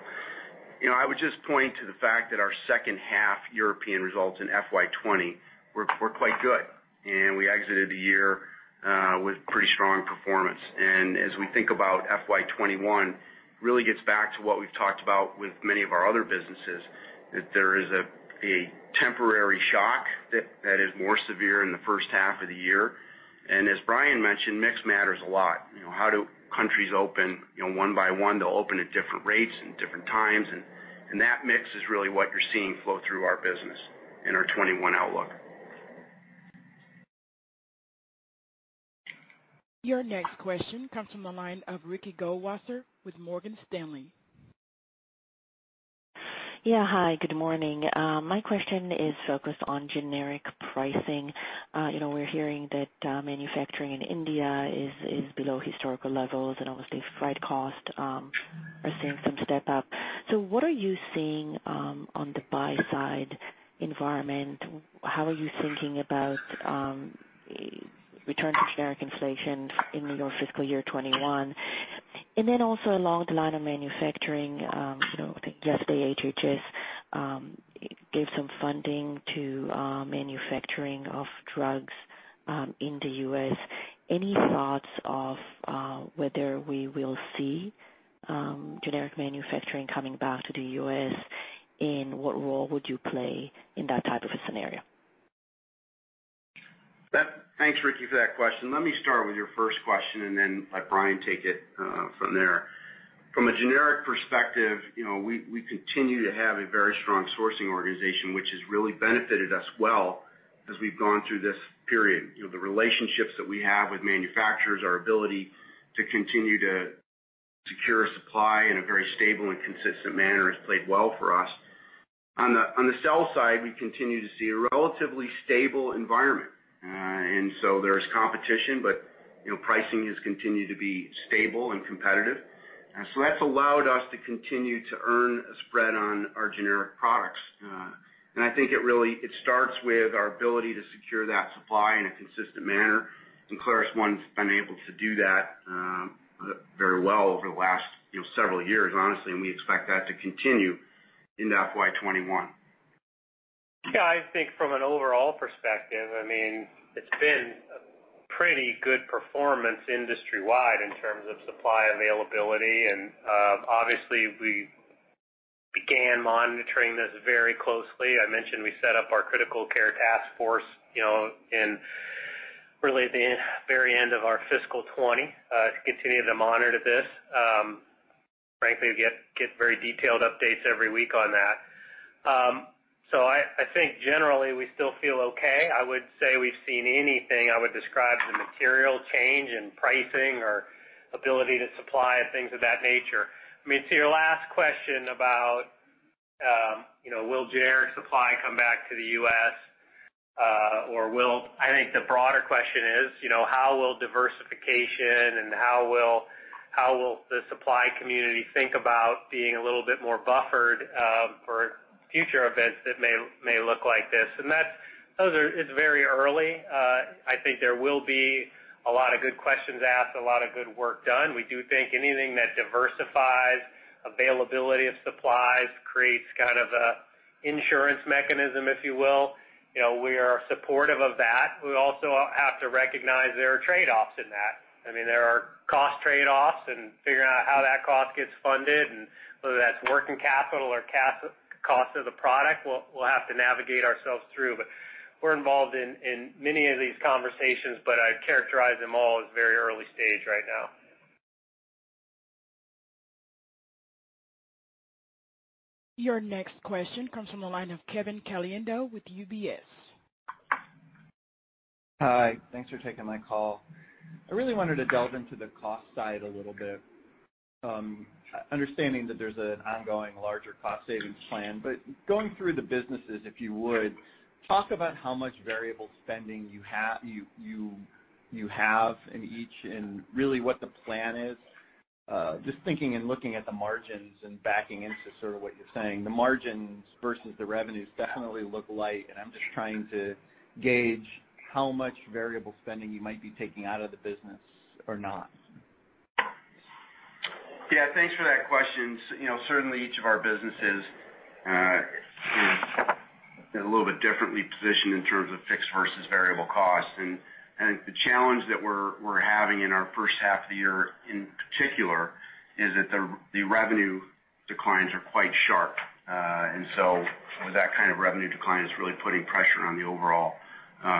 I would just point to the fact that our second half European results in FY 2020 were quite good, and we exited the year with pretty strong performance. As we think about FY 2021, really gets back to what we've talked about with many of our other businesses, that there is a temporary shock that is more severe in the first half of the year. As Brian mentioned, mix matters a lot. How do countries open one by one? They'll open at different rates and different times, and that mix is really what you're seeing flow through our business in our 2021 outlook. Your next question comes from the line of Ricky Goldwasser with Morgan Stanley. Yeah. Hi, good morning. My question is focused on generic pricing. We're hearing that manufacturing in India is below historical levels and obviously freight costs are seeing some step up. What are you seeing on the buy side environment? How are you thinking about return to generic inflation in your fiscal year 2021? Also along the line of manufacturing, I think yesterday, HHS gave some funding to manufacturing of drugs in the U.S. Any thoughts of whether we will see generic manufacturing coming back to the U.S., and what role would you play in that type of a scenario? Thanks, Ricky, for that question. Let me start with your first question and then let Brian take it from there. From a generic perspective, we continue to have a very strong sourcing organization, which has really benefited us well as we've gone through this period. The relationships that we have with manufacturers, our ability to continue to secure supply in a very stable and consistent manner has played well for us. On the sales side, we continue to see a relatively stable environment. There's competition, but pricing has continued to be stable and competitive. That's allowed us to continue to earn a spread on our generic products. I think it starts with our ability to secure that supply in a consistent manner, and ClarusONE's been able to do that very well over the last several years, honestly, and we expect that to continue into FY 2021. Yeah, I think from an overall perspective, it's been a pretty good performance industry-wide in terms of supply availability. Obviously, we began monitoring this very closely. I mentioned we set up our critical care task force in really the very end of our fiscal 2020 to continue to monitor this. Frankly, we get very detailed updates every week on that. I think generally, we still feel okay. I wouldn't say we've seen anything I would describe as a material change in pricing or ability to supply and things of that nature. To your last question about, will generic supply come back to the U.S.? I think the broader question is, how will diversification and how will the supply community think about being a little bit more buffered for future events that may look like this? It's very early. I think there will be a lot of good questions asked, a lot of good work done. We do think anything that diversifies availability of supplies creates kind of a insurance mechanism, if you will. We are supportive of that. We also have to recognize there are trade-offs in that. There are cost trade-offs and figuring out how that cost gets funded, and whether that's working capital or cost of the product, we'll have to navigate ourselves through. We're involved in many of these conversations, but I'd characterize them all as very early stage right now. Your next question comes from the line of Kevin Caliendo with UBS. Hi. Thanks for taking my call. I really wanted to delve into the cost side a little bit. Understanding that there's an ongoing larger cost savings plan, going through the businesses, if you would, talk about how much variable spending you have in each and really what the plan is. Just thinking and looking at the margins and backing into sort of what you're saying, the margins versus the revenues definitely look light, and I'm just trying to gauge how much variable spending you might be taking out of the business or not. Thanks for that question. Certainly, each of our businesses is a little bit differently positioned in terms of fixed versus variable costs. I think the challenge that we're having in our first half of the year, in particular, is that the revenue declines are quite sharp. That kind of revenue decline is really putting pressure on the overall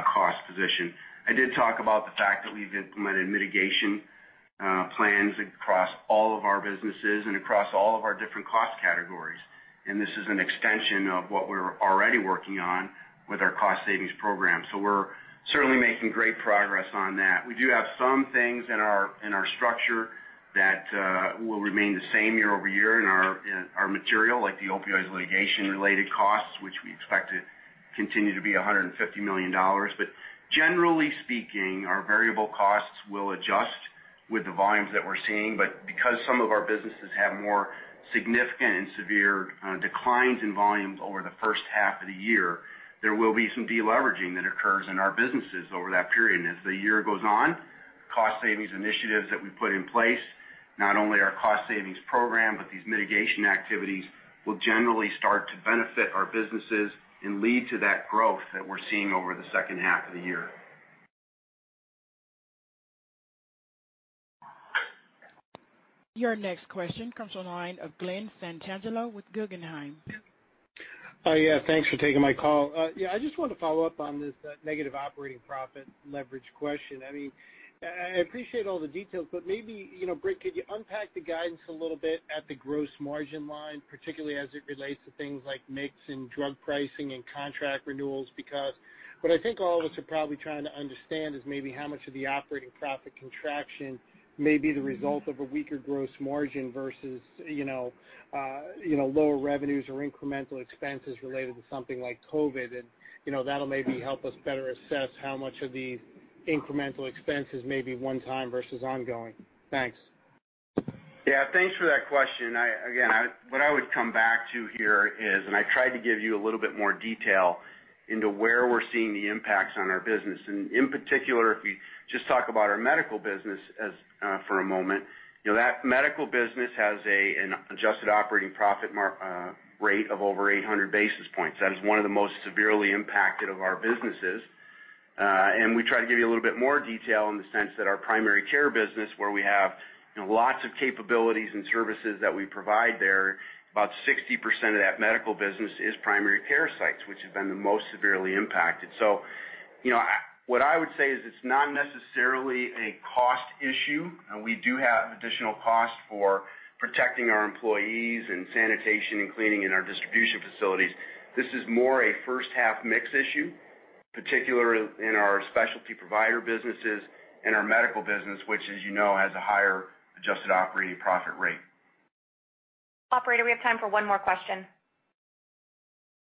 cost position. I did talk about the fact that we've implemented mitigation plans across all of our businesses and across all of our different cost categories, and this is an extension of what we're already working on with our cost savings program. We're certainly making great progress on that. We do have some things in our structure that will remain the same year-over-year in our material, like the opioids litigation-related costs, which we expect to continue to be $150 million. Generally speaking, our variable costs will adjust with the volumes that we're seeing. Because some of our businesses have more significant and severe declines in volumes over the first half of the year, there will be some de-leveraging that occurs in our businesses over that period. As the year goes on, cost savings initiatives that we put in place, not only our cost savings program, but these mitigation activities, will generally start to benefit our businesses and lead to that growth that we're seeing over the second half of the year. Your next question comes from the line of Glen Santangelo with Guggenheim. Yeah. Thanks for taking my call. I just want to follow up on this negative operating profit leverage question. I appreciate all the details, but maybe, Britt, could you unpack the guidance a little bit at the gross margin line, particularly as it relates to things like mix and drug pricing and contract renewals? What I think all of us are probably trying to understand is maybe how much of the operating profit contraction may be the result of a weaker gross margin versus lower revenues or incremental expenses related to something like COVID-19. That'll maybe help us better assess how much of the incremental expenses may be one time versus ongoing. Thanks. Yeah. Thanks for that question. Again, what I would come back to here is, and I tried to give you a little bit more detail into where we're seeing the impacts on our business. In particular, if we just talk about our medical business for a moment, that medical business has an adjusted operating profit rate of over 800 basis points. That is one of the most severely impacted of our businesses. What I would say is it's not necessarily a cost issue. We try to give you a little bit more detail in the sense that our primary care business, where we have lots of capabilities and services that we provide there, about 60% of that medical business is primary care sites, which have been the most severely impacted. We do have additional costs for protecting our employees and sanitation and cleaning in our distribution facilities. This is more a first-half mix issue, particularly in our specialty provider businesses and our medical business, which as you know, has a higher adjusted operating profit rate. Operator, we have time for one more question.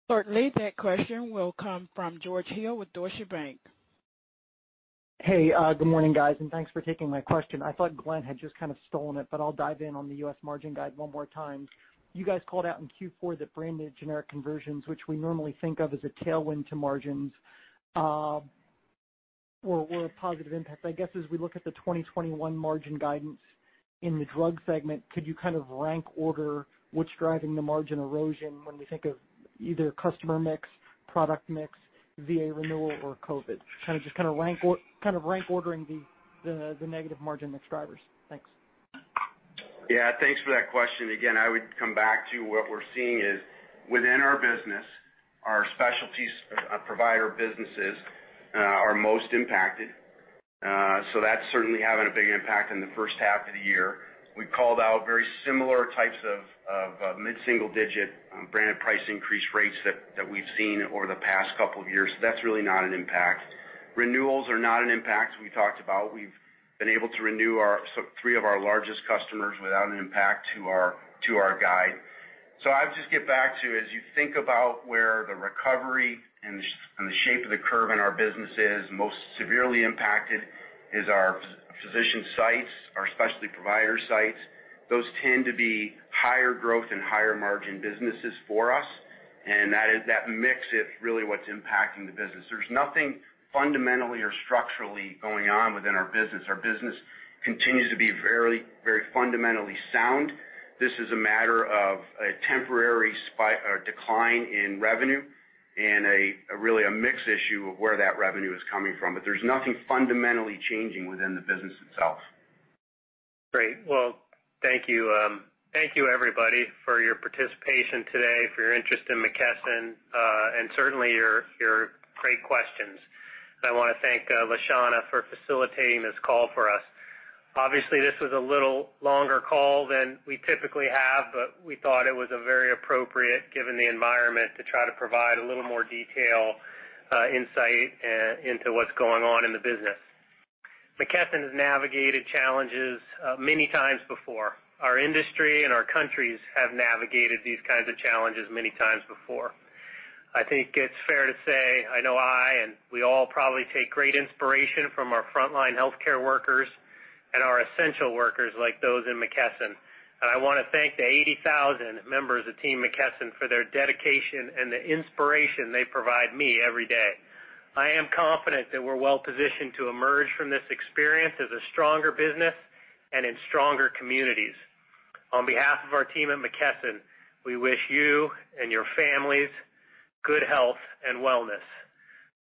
Certainly. That question will come from George Hill with Deutsche Bank. Good morning, guys, thanks for taking my question. I thought Glen had just kind of stolen it, but I'll dive in on the U.S. margin guide one more time. You guys called out in Q4 that branded generic conversions, which we normally think of as a tailwind to margins, were a positive impact. I guess as we look at the 2021 margin guidance in the drug segment, could you kind of rank order what's driving the margin erosion when we think of either customer mix, product mix, VA renewal, or COVID? Kind of just rank ordering the negative margin mix drivers. Thanks. Yeah. Thanks for that question. I would come back to what we're seeing is within our business, our specialties provider businesses are most impacted. That's certainly having a big impact in the first half of the year. We've called out very similar types of mid-single-digit branded price increase rates that we've seen over the past couple of years. That's really not an impact. Renewals are not an impact, as we talked about. We've been able to renew three of our largest customers without an impact to our guide. I would just get back to, as you think about where the recovery and the shape of the curve in our business is, most severely impacted is our physician sites, our specialty provider sites. Those tend to be higher growth and higher margin businesses for us, and that mix is really what's impacting the business. There's nothing fundamentally or structurally going on within our business. Our business continues to be very fundamentally sound. This is a matter of a temporary decline in revenue and really a mix issue of where that revenue is coming from. There's nothing fundamentally changing within the business itself. Well, thank you. Thank you everybody for your participation today, for your interest in McKesson, and certainly your great questions. I want to thank LaShona for facilitating this call for us. Obviously, this was a little longer call than we typically have, but we thought it was very appropriate, given the environment, to try to provide a little more detail insight into what's going on in the business. McKesson has navigated challenges many times before. Our industry and our countries have navigated these kinds of challenges many times before. I think it's fair to say, I know I and we all probably take great inspiration from our frontline healthcare workers and our essential workers like those in McKesson. I want to thank the 80,000 members of Team McKesson for their dedication and the inspiration they provide me every day. I am confident that we're well positioned to emerge from this experience as a stronger business and in stronger communities. On behalf of our team at McKesson, we wish you and your families good health and wellness.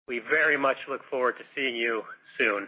We very much look forward to seeing you soon.